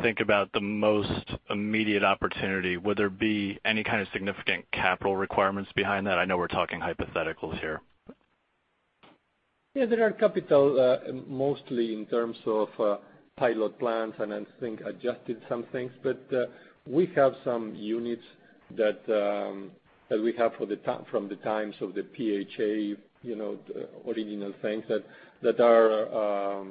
think about the most immediate opportunity, would there be any kind of significant capital requirements behind that? I know we're talking hypotheticals here. Yeah, there are capital, mostly in terms of pilot plans and I think adjusted some things. We have some units that we have from the times of the PHA, original things that are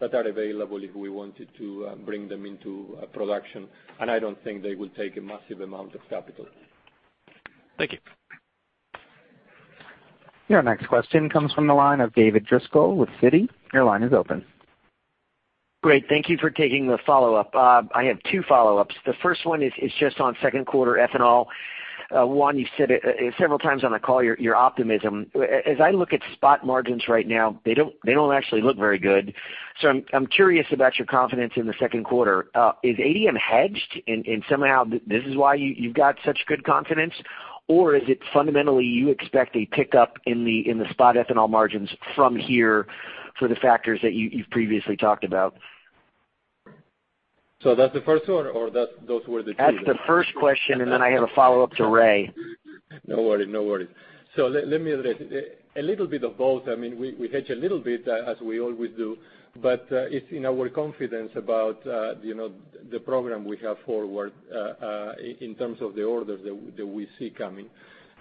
available if we wanted to bring them into production. I don't think they will take a massive amount of capital. Thank you. Your next question comes from the line of David Driscoll with Citi. Your line is open. Great. Thank you for taking the follow-up. I have two follow-ups. The first one is just on second quarter ethanol. One, you've said it several times on the call, your optimism. As I look at spot margins right now, they don't actually look very good. I'm curious about your confidence in the second quarter. Is ADM hedged, and somehow this is why you've got such good confidence? Or is it fundamentally you expect a pickup in the spot ethanol margins from here for the factors that you've previously talked about? That's the first one or those were the two? That's the first question, and then I have a follow-up to Ray. No worries. Let me address it. A little bit of both. We hedge a little bit, as we always do. It's in our confidence about the program we have forward in terms of the orders that we see coming,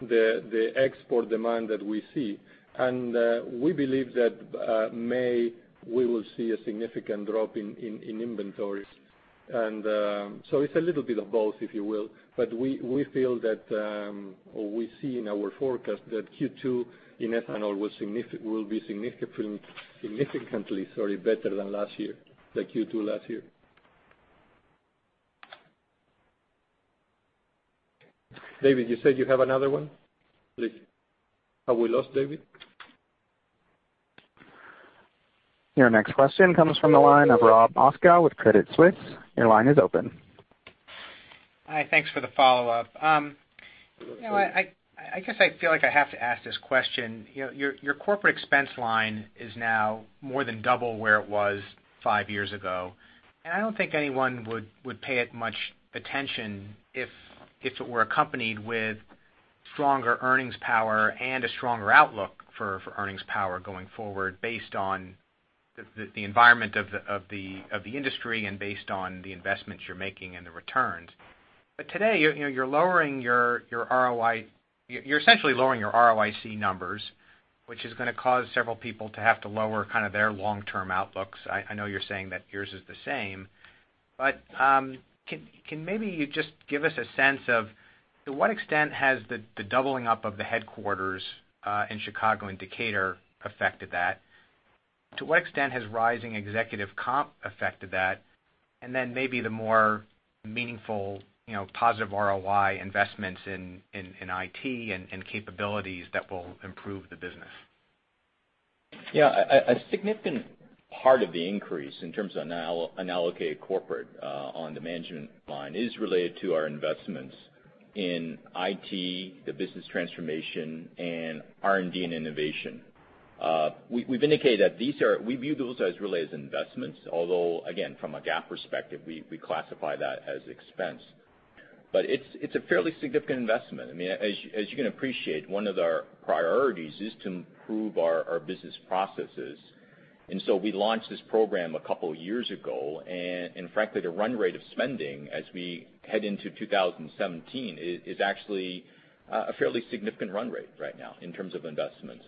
the export demand that we see. We believe that May, we will see a significant drop in inventories. It's a little bit of both, if you will, but we feel that or we see in our forecast that Q2 in ethanol will be significantly better than last year, the Q2 last year. David, you said you have another one? Please. Have we lost David? Your next question comes from the line of Rob Moskow with Credit Suisse. Your line is open. Hi, thanks for the follow-up. I guess I feel like I have to ask this question. Your corporate expense line is now more than double where it was five years ago, and I don't think anyone would pay it much attention if it were accompanied with stronger earnings power and a stronger outlook for earnings power going forward based on the environment of the industry and based on the investments you're making and the returns. Today, you're essentially lowering your ROIC numbers, which is going to cause several people to have to lower their long-term outlooks. I know you're saying that yours is the same, but can maybe you just give us a sense of to what extent has the doubling up of the headquarters in Chicago and Decatur affected that? To what extent has rising executive comp affected that? Maybe the more meaningful positive ROI investments in IT and capabilities that will improve the business. Yeah. A significant part of the increase in terms of unallocated corporate, on the management line is related to our investments in IT, the business transformation, and R&D and innovation. We've indicated that we view those as related to investments, although again, from a GAAP perspective, we classify that as expense. It's a fairly significant investment. As you can appreciate, one of our priorities is to improve our business processes. We launched this program a couple of years ago, and frankly, the run rate of spending as we head into 2017 is actually a fairly significant run rate right now in terms of investments.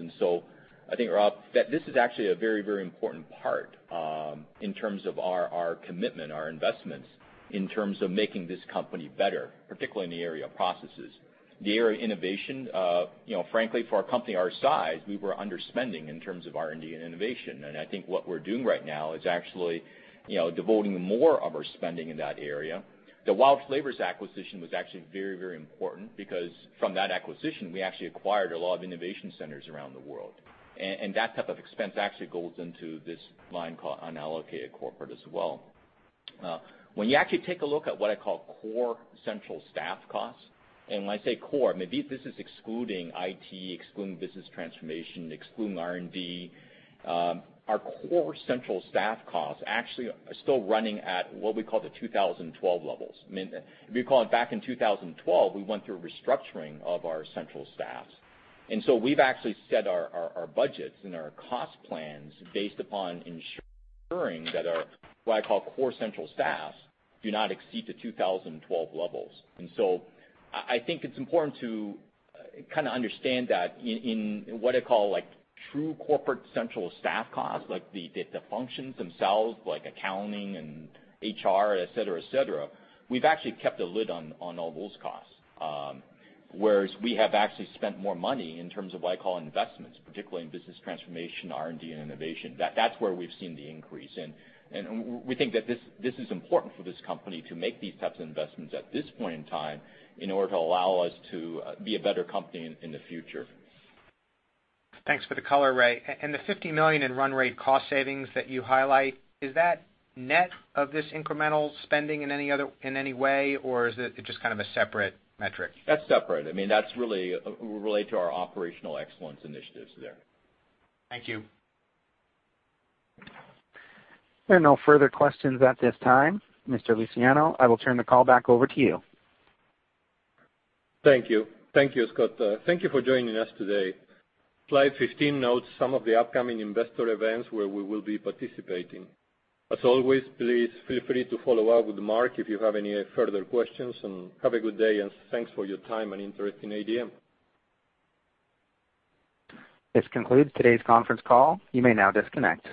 I think, Rob, that this is actually a very, very important part in terms of our commitment, our investments in terms of making this company better, particularly in the area of processes. The area of innovation, frankly, for a company our size, we were underspending in terms of R&D and innovation. I think what we're doing right now is actually devoting more of our spending in that area. The WILD Flavors acquisition was actually very, very important because from that acquisition, we actually acquired a lot of innovation centers around the world. That type of expense actually goes into this line called unallocated corporate as well. When you actually take a look at what I call core central staff costs, and when I say core, this is excluding IT, excluding business transformation, excluding R&D. Our core central staff costs actually are still running at what we call the 2012 levels. If you recall back in 2012, we went through a restructuring of our central staffs. We've actually set our budgets and our cost plans based upon ensuring that our, what I call core central staffs, do not exceed the 2012 levels. I think it's important to understand that in what I call true corporate central staff costs, like the functions themselves, like accounting and HR, et cetera. We've actually kept a lid on all those costs. Whereas we have actually spent more money in terms of what I call investments, particularly in business transformation, R&D, and innovation. That's where we've seen the increase. We think that this is important for this company to make these types of investments at this point in time in order to allow us to be a better company in the future. Thanks for the color, Ray. The $50 million in run rate cost savings that you highlight, is that net of this incremental spending in any way, or is it just a separate metric? That's separate. That's really related to our operational excellence initiatives there. Thank you. There are no further questions at this time. Mr. Luciano, I will turn the call back over to you. Thank you, Scott. Thank you for joining us today. Slide 15 notes some of the upcoming investor events where we will be participating. As always, please feel free to follow up with Mark if you have any further questions, and have a good day, and thanks for your time and interest in ADM. This concludes today's conference call. You may now disconnect.